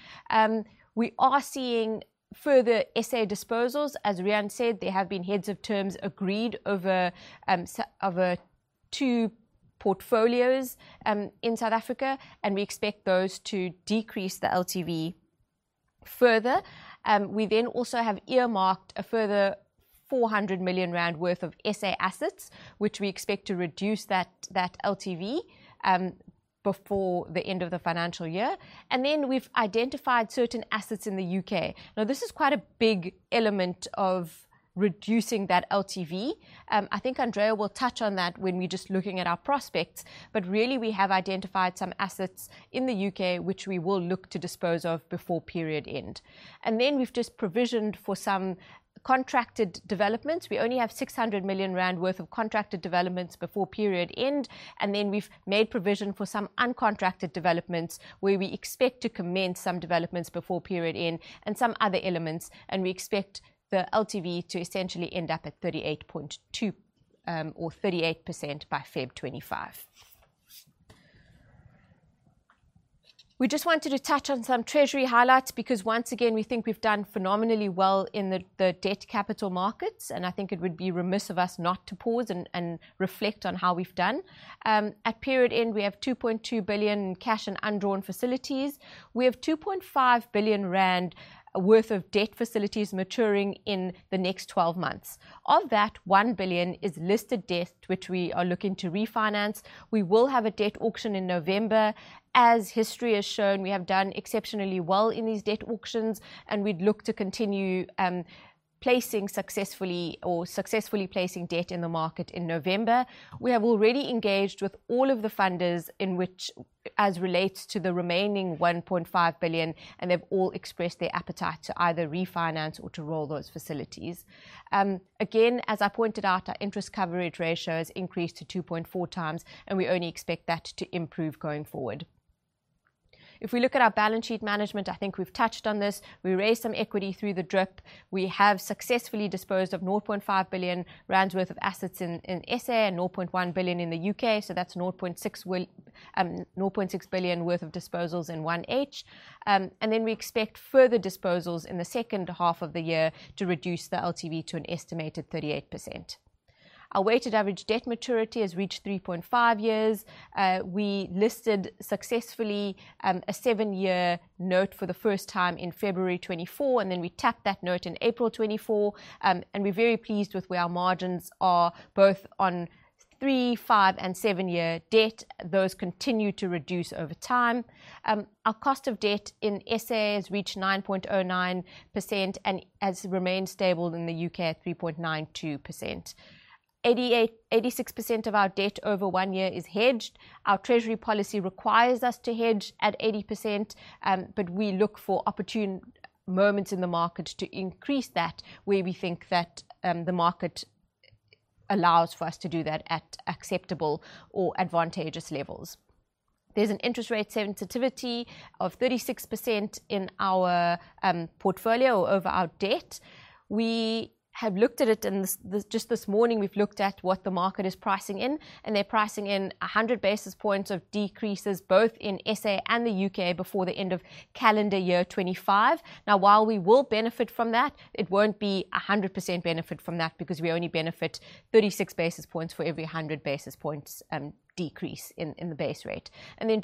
We are seeing further SA disposals. As Rian said, there have been heads of terms agreed over two portfolios in South Africa, and we expect those to decrease the LTV further. We then also have earmarked a further 400 million rand worth of SA assets, which we expect to reduce that LTV before the end of the financial year. Then we've identified certain assets in the U.K. Now, this is quite a big element of reducing that LTV. I think Andrea will touch on that when we're just looking at our prospects, but really we have identified some assets in the U.K. which we will look to dispose of before period end. We've just provisioned for some contracted developments. We only have 600 million rand worth of contracted developments before period end, and then we've made provision for some uncontracted developments where we expect to commence some developments before period end and some other elements, and we expect the LTV to essentially end up at 38.2% or 38% by February 2025. We just wanted to touch on some treasury highlights because once again we think we've done phenomenally well in the debt capital markets, and I think it would be remiss of us not to pause and reflect on how we've done. At period end, we have 2.2 billion cash and undrawn facilities. We have 2.5 billion rand worth of debt facilities maturing in the next 12 months. Of that, 1 billion is listed debt, which we are looking to refinance. We will have a debt auction in November. As history has shown, we have done exceptionally well in these debt auctions, and we'd look to continue successfully placing debt in the market in November. We have already engaged with all of the funders as relates to the remaining 1.5 billion, and they've all expressed their appetite to either refinance or to roll those facilities. Again, as I pointed out, our interest coverage ratio has increased to 2.4 times, and we only expect that to improve going forward. If we look at our balance sheet management, I think we've touched on this. We raised some equity through the DRIP. We have successfully disposed of 0.5 billion rand worth of assets in SA and 0.1 billion in the U.K., so that's 0.6 billion worth of disposals in 1H. We expect further disposals in the H2 of the year to reduce the LTV to an estimated 38%. Our weighted average debt maturity has reached three and a half years. We listed successfully a seven-year note for the first time in February 2024, and then we tapped that note in April 2024. We're very pleased with where our margins are, both on three-, five-, and seven-year debt. Those continue to reduce over time. Our cost of debt in SA has reached 9.09% and has remained stable in the U.K. at 3.92%. 86% of our debt over one year is hedged. Our treasury policy requires us to hedge at 80%, but we look for opportune moments in the market to increase that where we think that the market allows for us to do that at acceptable or advantageous levels. There's an interest rate sensitivity of 36% in our portfolio or over our debt. We have looked at it and just this morning we've looked at what the market is pricing in, and they're pricing in 100 basis points of decreases both in SA and the U.K. before the end of calendar year 2025. While we will benefit from that, it won't be a 100% benefit from that because we only benefit 36 basis points for every 100 basis points decrease in the base rate.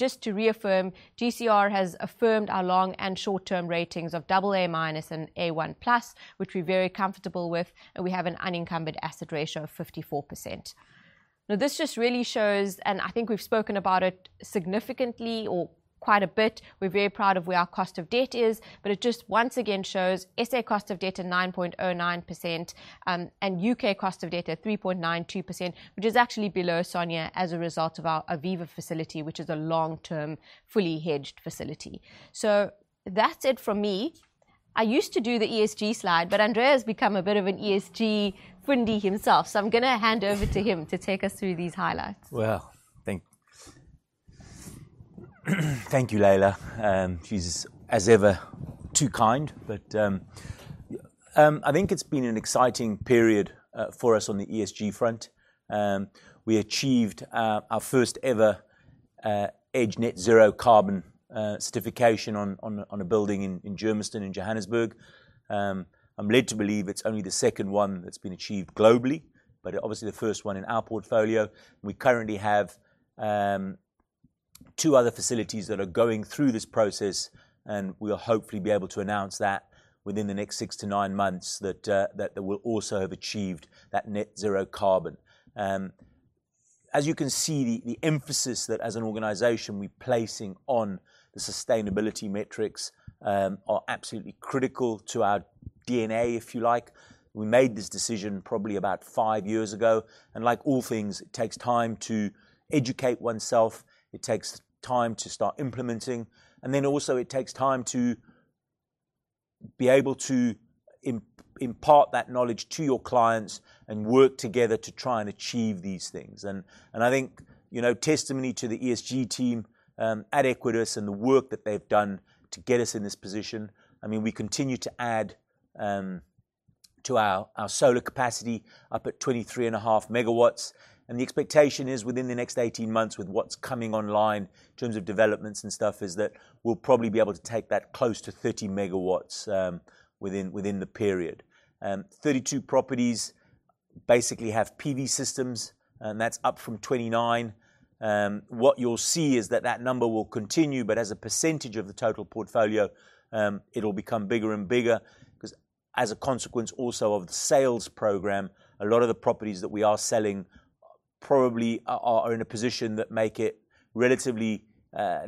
Just to reaffirm, GCR has affirmed our long- and short-term ratings of AA- and A1+, which we're very comfortable with, and we have an unencumbered asset ratio of 54%. This just really shows, and I think we've spoken about it significantly or quite a bit, we're very proud of where our cost of debt is, but it just once again shows SA cost of debt at 9.09%, and U.K. cost of debt at 3.92%, which is actually below SONIA as a result of our Aviva facility, which is a long-term, fully hedged facility. That's it from me. I used to do the ESG slide, but Andrea has become a bit of an ESG fundie himself, so I'm gonna hand over to him to take us through these highlights. Well, thank you, Laila. She's as ever too kind. I think it's been an exciting period for us on the ESG front. We achieved our first ever EDGE net zero carbon certification on a building in Germiston in Johannesburg. I'm led to believe it's only the second one that's been achieved globally, but obviously the first one in our portfolio. We currently have two other facilities that are going through this process, and we'll hopefully be able to announce that within the next six to nine months that they will also have achieved that net zero carbon. As you can see, the emphasis that as an organization we're placing on the sustainability metrics are absolutely critical to our DNA, if you like. We made this decision probably about five years ago, and like all things, it takes time to educate oneself, it takes time to start implementing, and then also it takes time to be able to impart that knowledge to your clients and work together to try and achieve these things. I think testimony to the ESG team at Equites and the work that they've done to get us in this position, I mean, we continue to add to our solar capacity up at 23.5 MW. The expectation is within the next 18 months with what's coming online in terms of developments and stuff, is that we'll probably be able to take that close to 30 MW within the period. 32 properties basically have PV systems, and that's up from 29. What you'll see is that number will continue, but as a percentage of the total portfolio, it'll become bigger and bigger because as a consequence also of the sales program, a lot of the properties that we are selling probably are in a position that make it relatively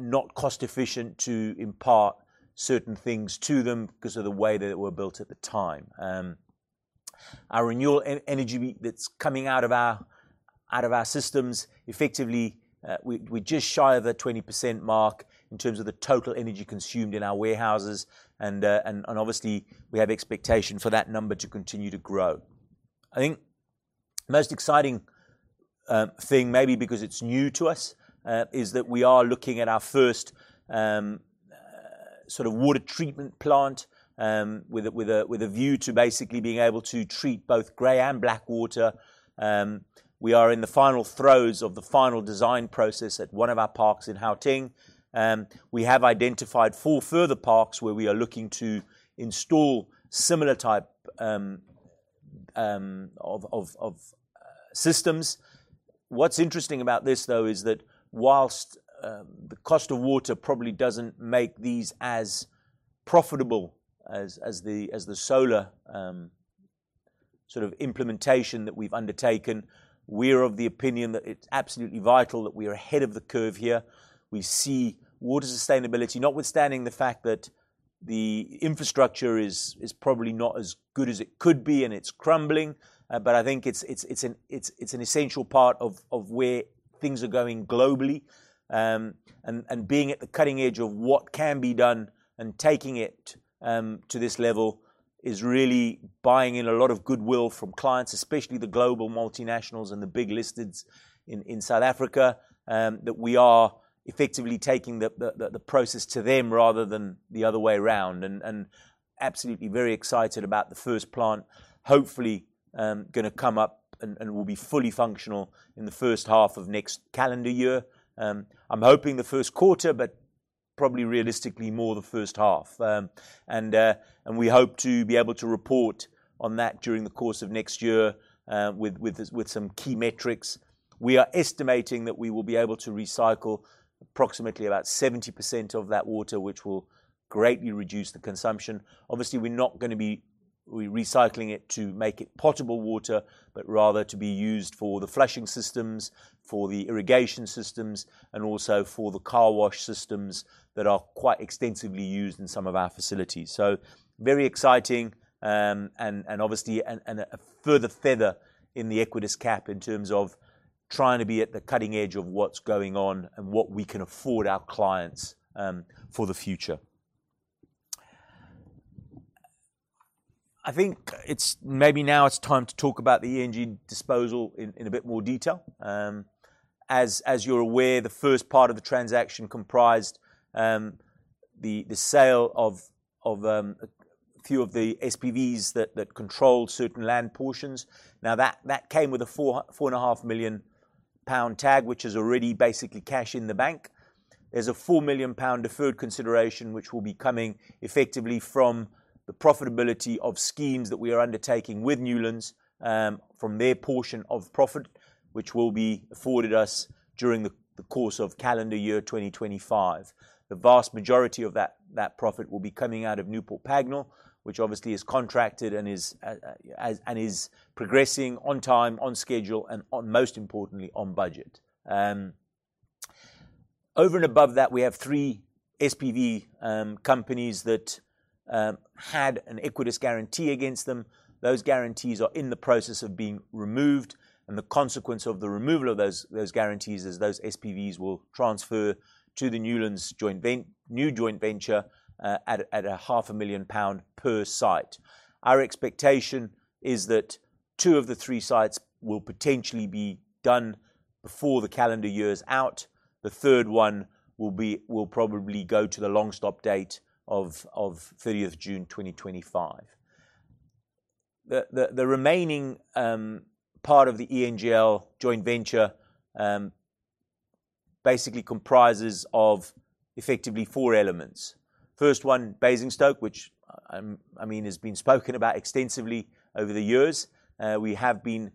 not cost efficient to impart certain things to them because of the way that it were built at the time. Our renewable energy that's coming out of our systems, effectively, we just shy of the 20% mark in terms of the total energy consumed in our warehouses, and obviously we have expectation for that number to continue to grow. I think the most exciting thing maybe because it's new to us is that we are looking at our first sort of water treatment plant with a view to basically being able to treat both gray and black water. We are in the final throes of the final design process at one of our parks in Gauteng. We have identified four further parks where we are looking to install similar type of systems. What's interesting about this though is that whilst the cost of water probably doesn't make these as profitable as the solar sort of implementation that we've undertaken, we're of the opinion that it's absolutely vital that we are ahead of the curve here. We see water sustainability, notwithstanding the fact that the infrastructure is probably not as good as it could be, and it's crumbling. I think it's an essential part of where things are going globally and being at the cutting edge of what can be done and taking it to this level is really buying in a lot of goodwill from clients, especially the global multinationals and the big listeds in South Africa that we are effectively taking the process to them rather than the other way around. Absolutely very excited about the first plant. Hopefully gonna come up and will be fully functional in the H1 of next calendar year. I'm hoping the Q1, but probably realistically more the H1. We hope to be able to report on that during the course of next year with some key metrics. We are estimating that we will be able to recycle approximately about 70% of that water, which will greatly reduce the consumption. Obviously, we're not gonna be recycling it to make it potable water, but rather to be used for the flushing systems, for the irrigation systems, and also for the car wash systems that are quite extensively used in some of our facilities. Very exciting, and obviously a further feather in the Equites cap in terms of trying to be at the cutting edge of what's going on and what we can afford our clients for the future. I think it's maybe now it's time to talk about the ENGL disposal in a bit more detail. As you're aware, the first part of the transaction comprised the sale of a few of the SPVs that controlled certain land portions. Now, that came with a 4.5 million pound tag, which is already basically cash in the bank. There's a 4 million pound deferred consideration which will be coming effectively from the profitability of schemes that we are undertaking with Newlands, from their portion of profit which will be afforded us during the course of calendar year 2025. The vast majority of that profit will be coming out of Newport Pagnell, which obviously is contracted and is progressing on time, on schedule, and most importantly, on budget. Over and above that, we have 3 SPV companies that had an Equites guarantee against them. Those guarantees are in the process of being removed, and the consequence of the removal of those guarantees is those SPVs will transfer to the Newlands joint venture at a half a million pound per site. Our expectation is that 2 of the 3 sites will potentially be done before the calendar year is out. The third one will probably go to the longest stop date of 30th June 2025. The remaining part of the ENGL joint venture basically comprises of effectively 4 elements. First one, Basingstoke, which I mean has been spoken about extensively over the years. We have been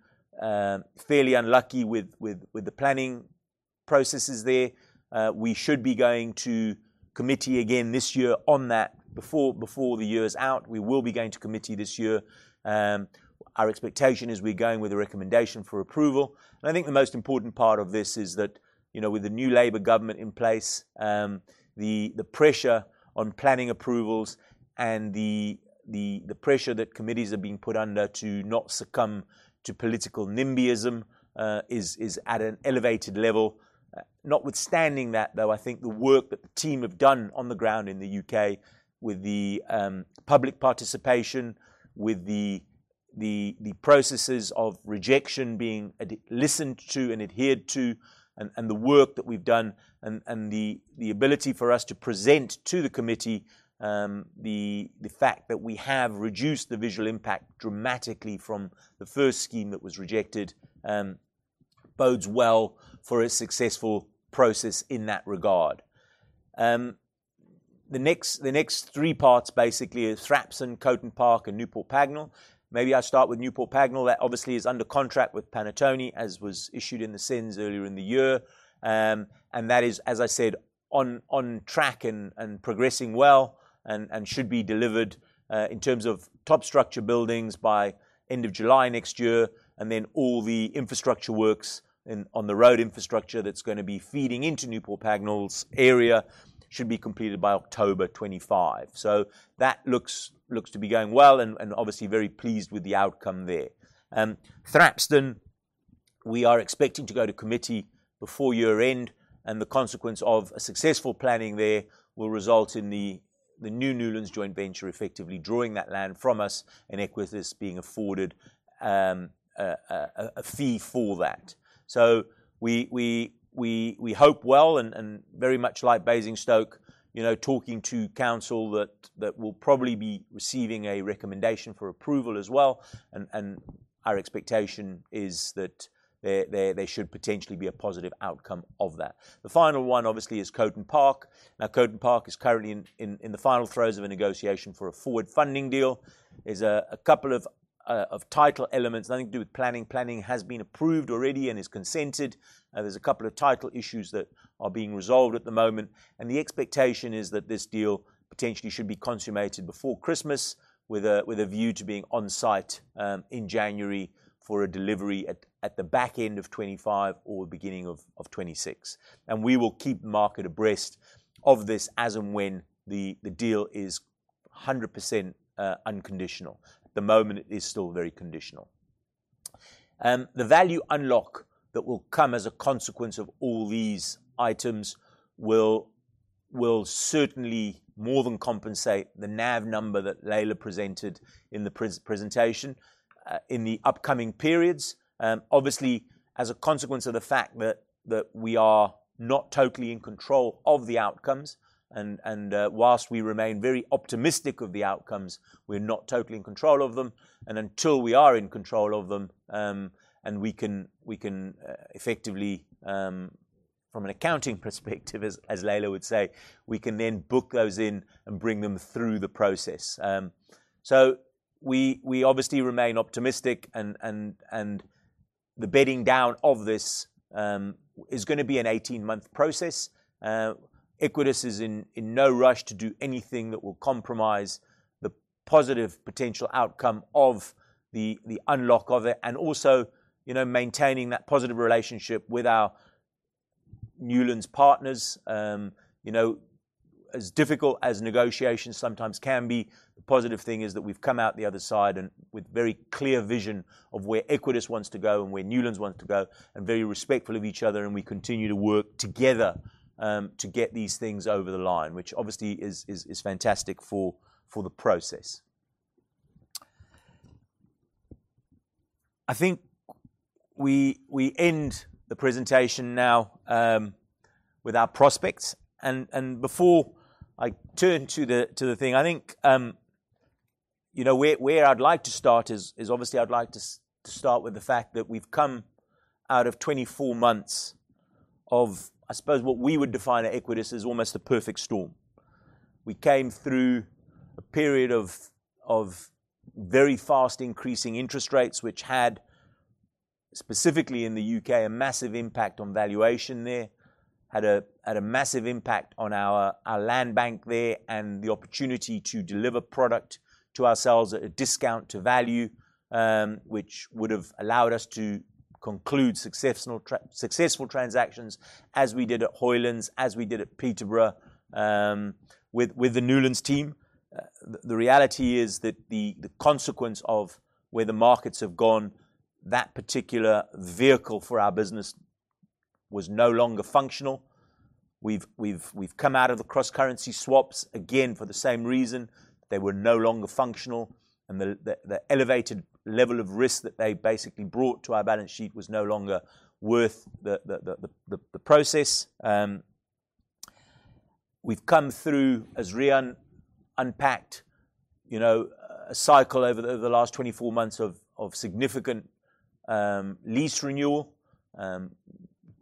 fairly unlucky with the planning processes there. We should be going to committee again this year on that before the year is out. We will be going to committee this year. Our expectation is we're going with a recommendation for approval. I think the most important part of this is that with the new Labour government in place, the pressure on planning approvals and the pressure that committees are being put under to not succumb to political nimbyism is at an elevated level. Notwithstanding that though, I think the work that the team have done on the ground in the U.K. with the public participation, with the processes of rejection being listened to and adhered to and the work that we've done and the ability for us to present to the committee the fact that we have reduced the visual impact dramatically from the first scheme that was rejected bodes well for a successful process in that regard. The next three parts basically is Thrapston, Codden Park, and Newport Pagnell. Maybe I start with Newport Pagnell. That obviously is under contract with Panattoni, as was issued in the SENS earlier in the year. That is, as I said, on track and progressing well and should be delivered in terms of top structure buildings by end of July next year. Then all the infrastructure works on the road infrastructure that's gonna be feeding into Newport Pagnell's area should be completed by October 2025. That looks to be going well and obviously very pleased with the outcome there. Thrapston, we are expecting to go to committee before year-end, and the consequence of a successful planning there will result in the new Newlands joint venture effectively drawing that land from us and Equites being afforded a fee for that. We hope well and very much like basingstoke talking to council that will probably be receiving a recommendation for approval as well. Our expectation is that there should potentially be a positive outcome of that. The final one, obviously, is Codden Park. Now, Codden Park is currently in the final throes of a negotiation for a forward funding deal. There's a couple of title elements, nothing to do with planning. Planning has been approved already and is consented. There's a couple of title issues that are being resolved at the moment. The expectation is that this deal potentially should be consummated before Christmas with a view to being on-site in January for a delivery at the back end of 2025 or beginning of 2026. We will keep the market abreast of this as and when the deal is 100% unconditional. At the moment it is still very conditional. The value unlock that will come as a consequence of all these items will certainly more than compensate the NAV number that Laila presented in the presentation in the upcoming periods. Obviously, as a consequence of the fact that we are not totally in control of the outcomes and while we remain very optimistic of the outcomes, we're not totally in control of them. Until we are in control of them and we can effectively from an accounting perspective, as Laila would say, we can then book those in and bring them through the process. We obviously remain optimistic and the bedding down of this is gonna be an 18-month process. Equites is in no rush to do anything that will compromise the positive potential outcome of the unlock of it and also maintaining that positive relationship with our Newlands partners. You know, as difficult as negotiations sometimes can be, the positive thing is that we've come out the other side and with very clear vision of where Equites wants to go and where Newlands wants to go, and very respectful of each other, and we continue to work together to get these things over the line, which obviously is fantastic for the process. I think we end the presentation now with our prospects. Before I turn to the thing, I think you know where I'd like to start is obviously I'd like to start with the fact that we've come out of 24 months of, I suppose, what we would define at Equites as almost a perfect storm. We came through a period of very fast increasing interest rates, which had specifically in the U.K. a massive impact on valuation there, had a massive impact on our land bank there and the opportunity to deliver product to ourselves at a discount to value, which would have allowed us to conclude successful transactions as we did at Hoyland, as we did at Peterborough, with the Newlands team. The reality is that the consequence of where the markets have gone, that particular vehicle for our business was no longer functional. We've come out of the cross-currency swaps, again, for the same reason. They were no longer functional, and the elevated level of risk that they basically brought to our balance sheet was no longer worth the process. We've come through, as Riaan unpacked a cycle over the last 24 months of significant lease renewal.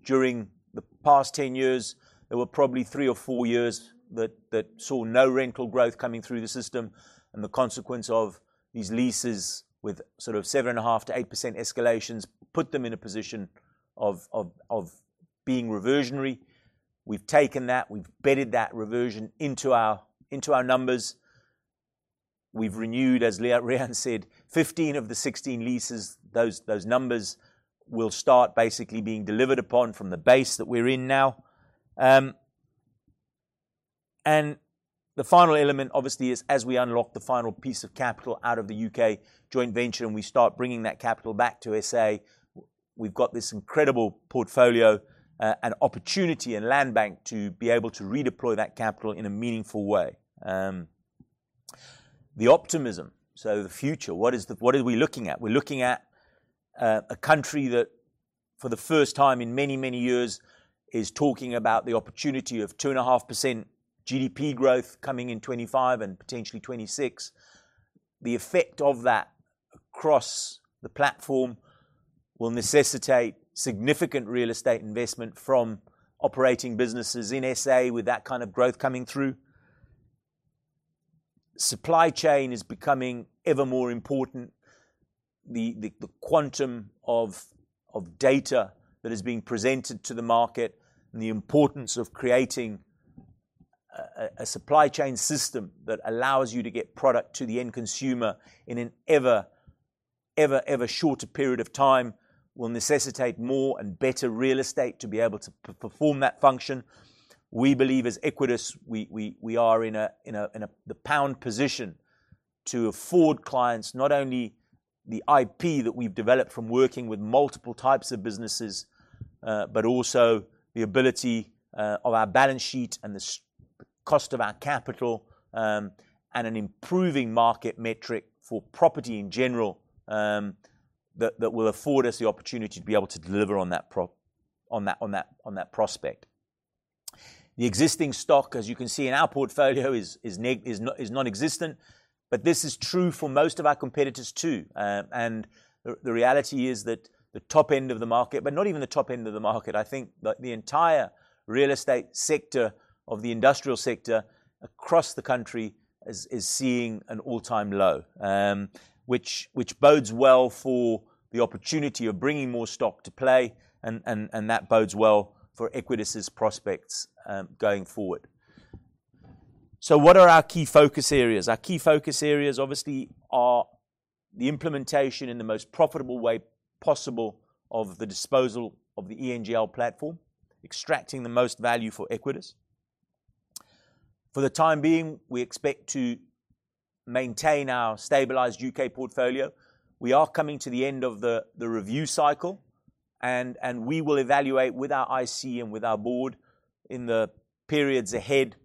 During the past 10 years, there were probably three or four years that saw no rental growth coming through the system, and the consequence of these leases with sort of 7.5%-8% escalations put them in a position of being reversionary. We've taken that. We've bedded that reversion into our numbers. We've renewed, as Rehan said, 15 of the 16 leases. Those numbers will start basically being delivered upon from the base that we're in now. The final element, obviously, is as we unlock the final piece of capital out of the U.K. joint venture, and we start bringing that capital back to SA, we've got this incredible portfolio, and opportunity and land bank to be able to redeploy that capital in a meaningful way. The optimism, so the future, what are we looking at? We're looking at a country that for the first time in many, many years is talking about the opportunity of 2.5% GDP growth coming in 2025 and potentially 2026. The effect of that across the platform will necessitate significant real estate investment from operating businesses in SA with that kind of growth coming through. Supply chain is becoming ever more important. The quantum of data that is being presented to the market and the importance of creating a supply chain system that allows you to get product to the end consumer in an ever shorter period of time will necessitate more and better real estate to be able to perform that function. We believe as Equites we are in a... The pound position to afford clients not only the IP that we've developed from working with multiple types of businesses, but also the ability of our balance sheet and the cost of our capital, and an improving market metric for property in general, that will afford us the opportunity to be able to deliver on that prospect. The existing stock, as you can see in our portfolio, is nonexistent. This is true for most of our competitors too. The reality is that the top end of the market, but not even the top end of the market, I think like the entire real estate sector of the industrial sector across the country is seeing an all-time low, which bodes well for the opportunity of bringing more stock to play and that bodes well for Equites' prospects going forward. What are our key focus areas? Our key focus areas obviously are the implementation in the most profitable way possible of the disposal of the ENGL platform, extracting the most value for Equites. For the time being, we expect to maintain our stabilized UK portfolio. We are coming to the end of the review cycle and we will evaluate with our IC and with our board in the periods ahead,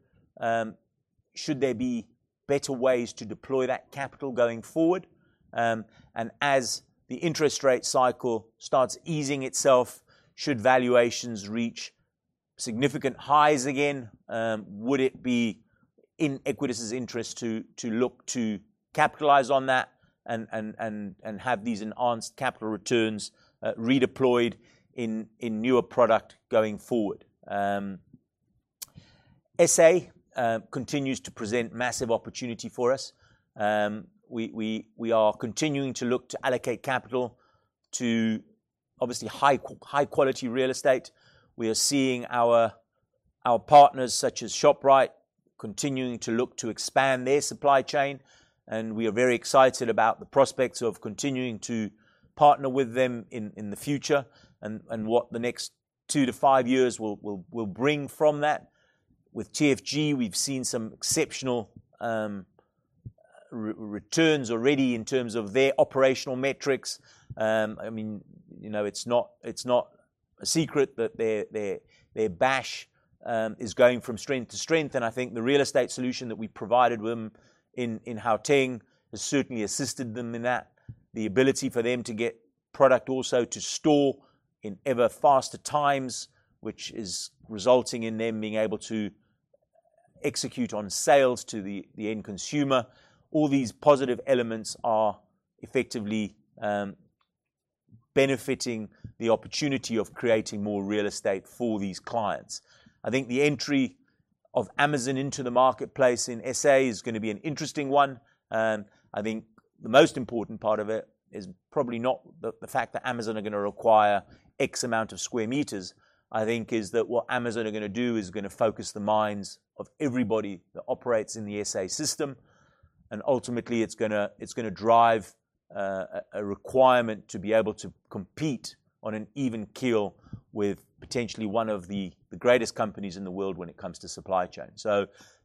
should there be better ways to deploy that capital going forward. As the interest rate cycle starts easing itself, should valuations reach significant highs again, would it be in Equites' interest to look to capitalize on that and have these enhanced capital returns redeployed in newer product going forward. SA continues to present massive opportunity for us. We are continuing to look to allocate capital to obviously high quality real estate. We are seeing our partners such as Shoprite continuing to look to expand their supply chain, and we are very excited about the prospects of continuing to partner with them in the future and what the next two to five years will bring from that. With TFG, we've seen some exceptional returns already in terms of their operational metrics. I mean it's not a secret that their bash is going from strength to strength, and I think the real estate solution that we provided them in Gauteng has certainly assisted them in that. The ability for them to get product also to store in ever faster times, which is resulting in them being able to execute on sales to the end consumer. All these positive elements are effectively benefiting the opportunity of creating more real estate for these clients. I think the entry of Amazon into the marketplace in SA is gonna be an interesting one. I think the most important part of it is probably not the fact that Amazon are gonna require X amount of square meters. I think it is that what Amazon are gonna do is gonna focus the minds of everybody that operates in the SA system, and ultimately it's gonna drive a requirement to be able to compete on an even keel with potentially one of the greatest companies in the world when it comes to supply chain.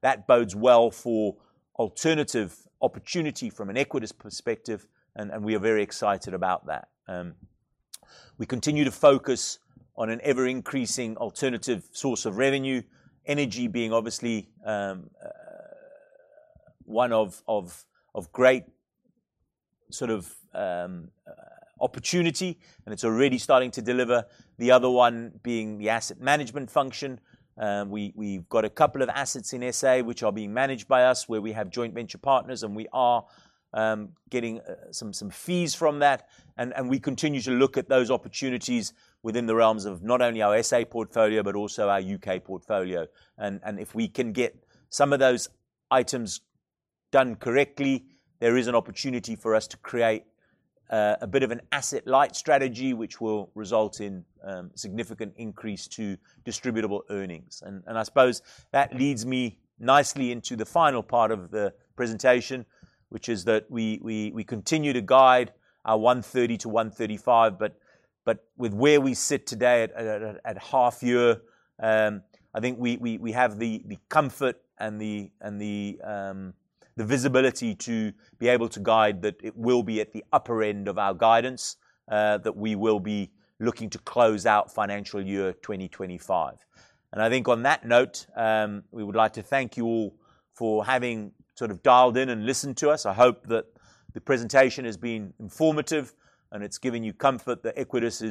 That bodes well for alternative opportunity from an Equites perspective, and we are very excited about that. We continue to focus on an ever-increasing alternative source of revenue, energy being obviously one of great sort of opportunity, and it's already starting to deliver. The other one being the asset management function. We’ve got a couple of assets in S.A. which are being managed by us, where we have joint venture partners and we are getting some fees from that. We continue to look at those opportunities within the realms of not only our S.A. portfolio, but also our U.K. portfolio. If we can get some of those items done correctly, there is an opportunity for us to create a bit of an asset light strategy, which will result in significant increase to distributable earnings. I suppose that leads me nicely into the final part of the presentation, which is that we continue to guide our 130-135, but with where we sit today at half year. I think we have the comfort and the visibility to be able to guide that it will be at the upper end of our guidance, that we will be looking to close out financial year 2025. I think on that note, we would like to thank you all for having sort of dialed in and listened to us. I hope that the presentation has been informative, and it's given you comfort that Equites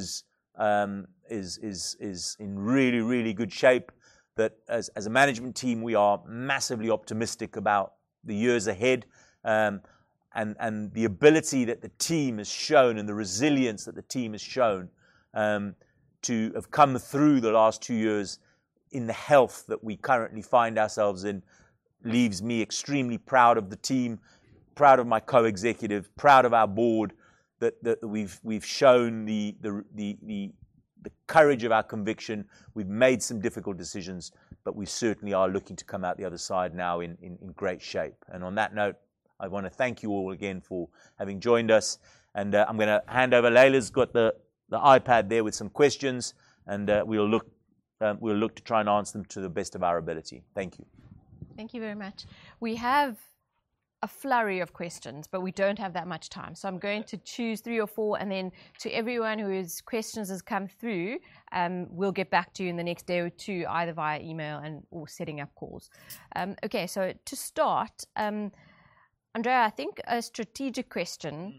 is in really good shape, that as a management team we are massively optimistic about the years ahead. The ability that the team has shown and the resilience that the team has shown to have come through the last two years in the health that we currently find ourselves in leaves me extremely proud of the team, proud of my co-executive, proud of our board that we've shown the courage of our conviction. We've made some difficult decisions, but we certainly are looking to come out the other side now in great shape. On that note, I wanna thank you all again for having joined us, and I'm gonna hand over. Laila got the iPad there with some questions and we'll look to try and answer them to the best of our ability. Thank you. Thank you very much. We have a flurry of questions, but we don't have that much time. I'm going to choose three or four and then to everyone whose questions has come through, we'll get back to you in the next day or two, either via email and/or setting up calls. Okay, to start, Andrea, I think a strategic question.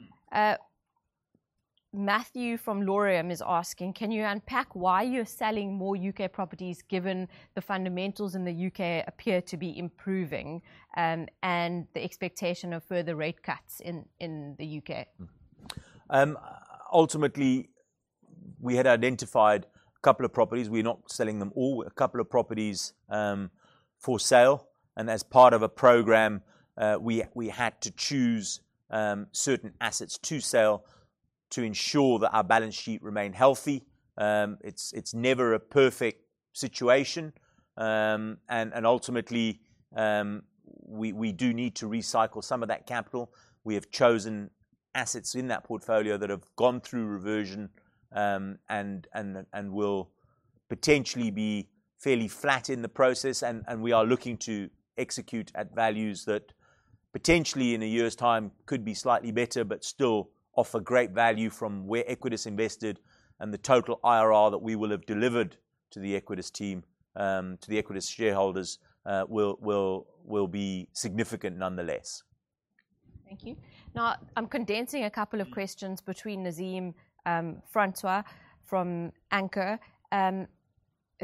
Mm. Matthew from Laurium is asking, "Can you unpack why you're selling more U.K. properties given the fundamentals in the U.K. appear to be improving, and the expectation of further rate cuts in the U.K.? Ultimately we had identified a couple of properties. We're not selling them all. A couple of properties for sale, and as part of a program, we had to choose certain assets to sell to ensure that our balance sheet remained healthy. It's never a perfect situation. Ultimately, we do need to recycle some of that capital. We have chosen assets in that portfolio that have gone through reversion and will potentially be fairly flat in the process and we are looking to execute at values that potentially in a year's time could be slightly better, but still offer great value from where Equites invested and the total IRR that we will have delivered to the Equites team to the Equites shareholders will be significant nonetheless. Thank you. Now, I'm condensing a couple of questions between Nazeem, Francois from Anchor.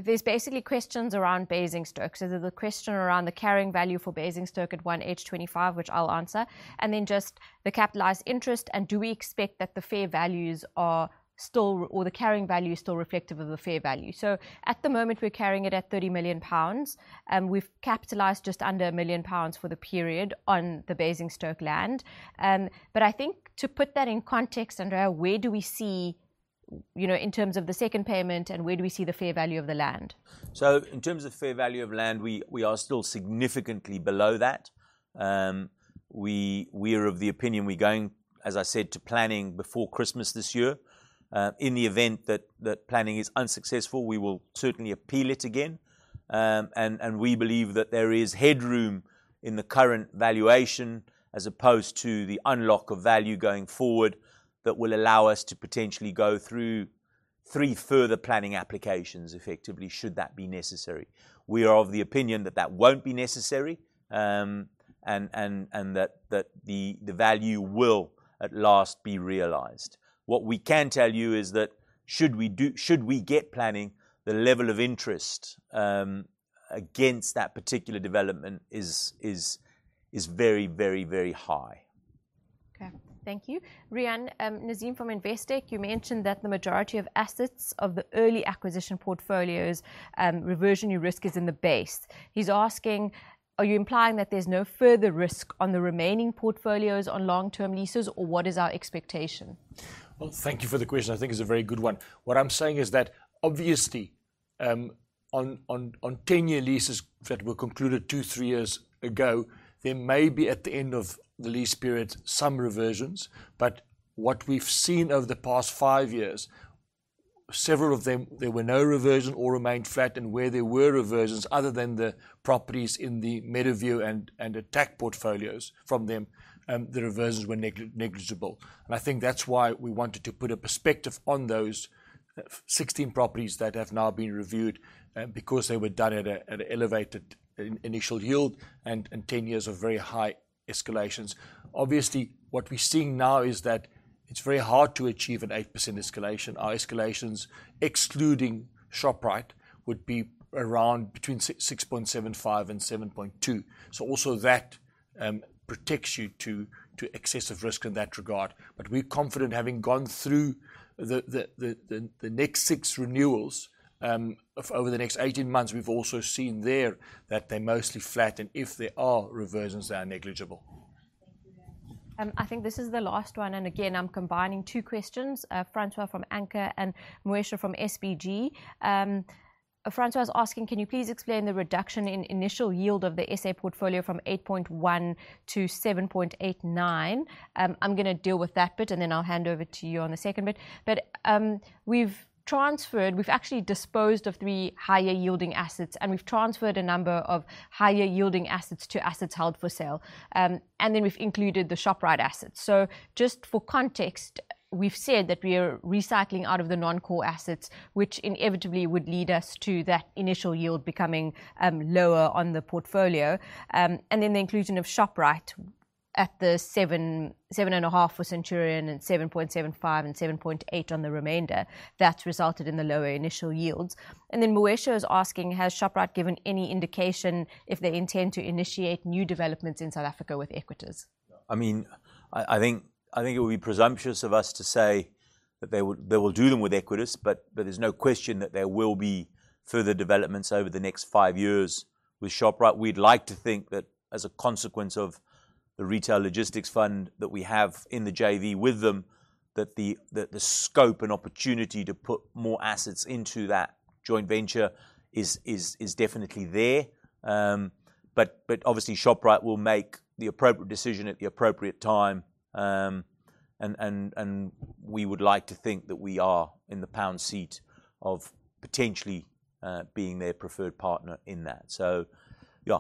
There's basically questions around Basingstoke. There's a question around the carrying value for Basingstoke at 1H 2025, which I'll answer, and then just the capitalized interest and do we expect that the fair values are still or the carrying value is still reflective of the fair value. At the moment we're carrying it at 30 million pounds. We've capitalized just under 1 million pounds for the period on the Basingstoke land. But I think to put that in context, Andrea, where do we see in terms of the second payment and where do we see the fair value of the land? In terms of fair value of land, we are still significantly below that. We are of the opinion we're going, as I said, to planning before Christmas this year. In the event that planning is unsuccessful, we will certainly appeal it again. We believe that there is headroom in the current valuation as opposed to the unlock of value going forward that will allow us to potentially go through three further planning applications effectively, should that be necessary. We are of the opinion that won't be necessary, and the value will at last be realized. What we can tell you is that should we get planning, the level of interest against that particular development is very high. Okay. Thank you. Riaan, Nazeem from Investec, you mentioned that the majority of assets of the early acquisition portfolios, reversionary risk is in the base. He's asking, "Are you implying that there's no further risk on the remaining portfolios on long-term leases, or what is our expectation? Well, thank you for the question. I think it's a very good one. What I'm saying is that obviously, on 10-year leases that were concluded two, three years ago, there may be at the end of the lease period some reversions. But what we've seen over the past five years, several of them, there were no reversion or remained flat, and where there were reversions, other than the properties in the Meadowview and Attacq portfolios from them, the reversions were negligible. I think that's why we wanted to put a perspective on those 16 properties that have now been reviewed, because they were done at an elevated initial yield and 10 years of very high escalations. Obviously, what we're seeing now is that it's very hard to achieve an 8% escalation. Our escalations, excluding Shoprite, would be around between 6.75% and 7.2%. Also that protects you to excessive risk in that regard. We're confident, having gone through the next six renewals of over the next 18 months, we've also seen there that they're mostly flat, and if there are reversions, they are negligible. I think this is the last one, and again, I'm combining two questions. Francois from Anchor and Moesha from SBG. Francois is asking, can you please explain the reduction in initial yield of the SA portfolio from 8.1% to 7.89%? I'm gonna deal with that bit, and then I'll hand over to you on the second bit. We've actually disposed of 3 higher yielding assets, and we've transferred a number of higher yielding assets to assets held for sale. And then we've included the Shoprite assets. Just for context, we've said that we are recycling out of the non-core assets, which inevitably would lead us to that initial yield becoming lower on the portfolio. The inclusion of Shoprite at the 7%-7.5% for Centurion and 7.75% and 7.8% on the remainder, that resulted in the lower initial yields. Moesha is asking, has Shoprite given any indication if they intend to initiate new developments in South Africa with Equites? I mean, I think it would be presumptuous of us to say that they will do them with Equites, but there's no question that there will be further developments over the next five years with Shoprite. We'd like to think that as a consequence of the Retail Logistics Fund that we have in the JV with them, that the scope and opportunity to put more assets into that joint venture is definitely there. Obviously Shoprite will make the appropriate decision at the appropriate time. We would like to think that we are in the pound seat of potentially being their preferred partner in that. Yeah,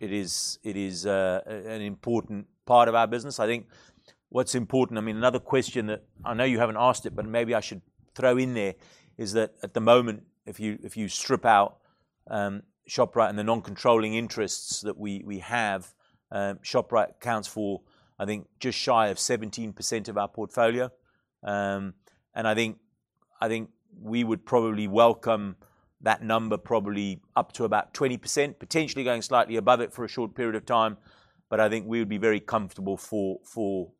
it is an important part of our business. I think what's important... I mean, another question that I know you haven't asked it, but maybe I should throw in there, is that at the moment, if you strip out Shoprite and the non-controlling interests that we have, Shoprite accounts for, I think, just shy of 17% of our portfolio. I think we would probably welcome that number up to about 20%, potentially going slightly above it for a short period of time. I think we would be very comfortable for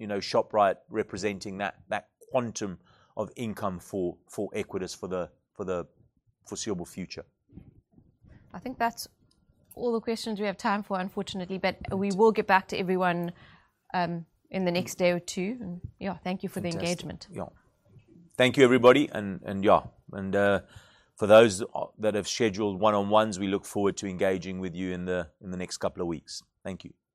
Shoprite representing that quantum of income for Equites for the foreseeable future. I think that's all the questions we have time for, unfortunately. We will get back to everyone, in the next day or two. Yeah, thank you for the engagement. Fantastic. Yeah. Thank you, everybody. Yeah, for those that have scheduled one-on-ones, we look forward to engaging with you in the next couple of weeks. Thank you. Bye-bye.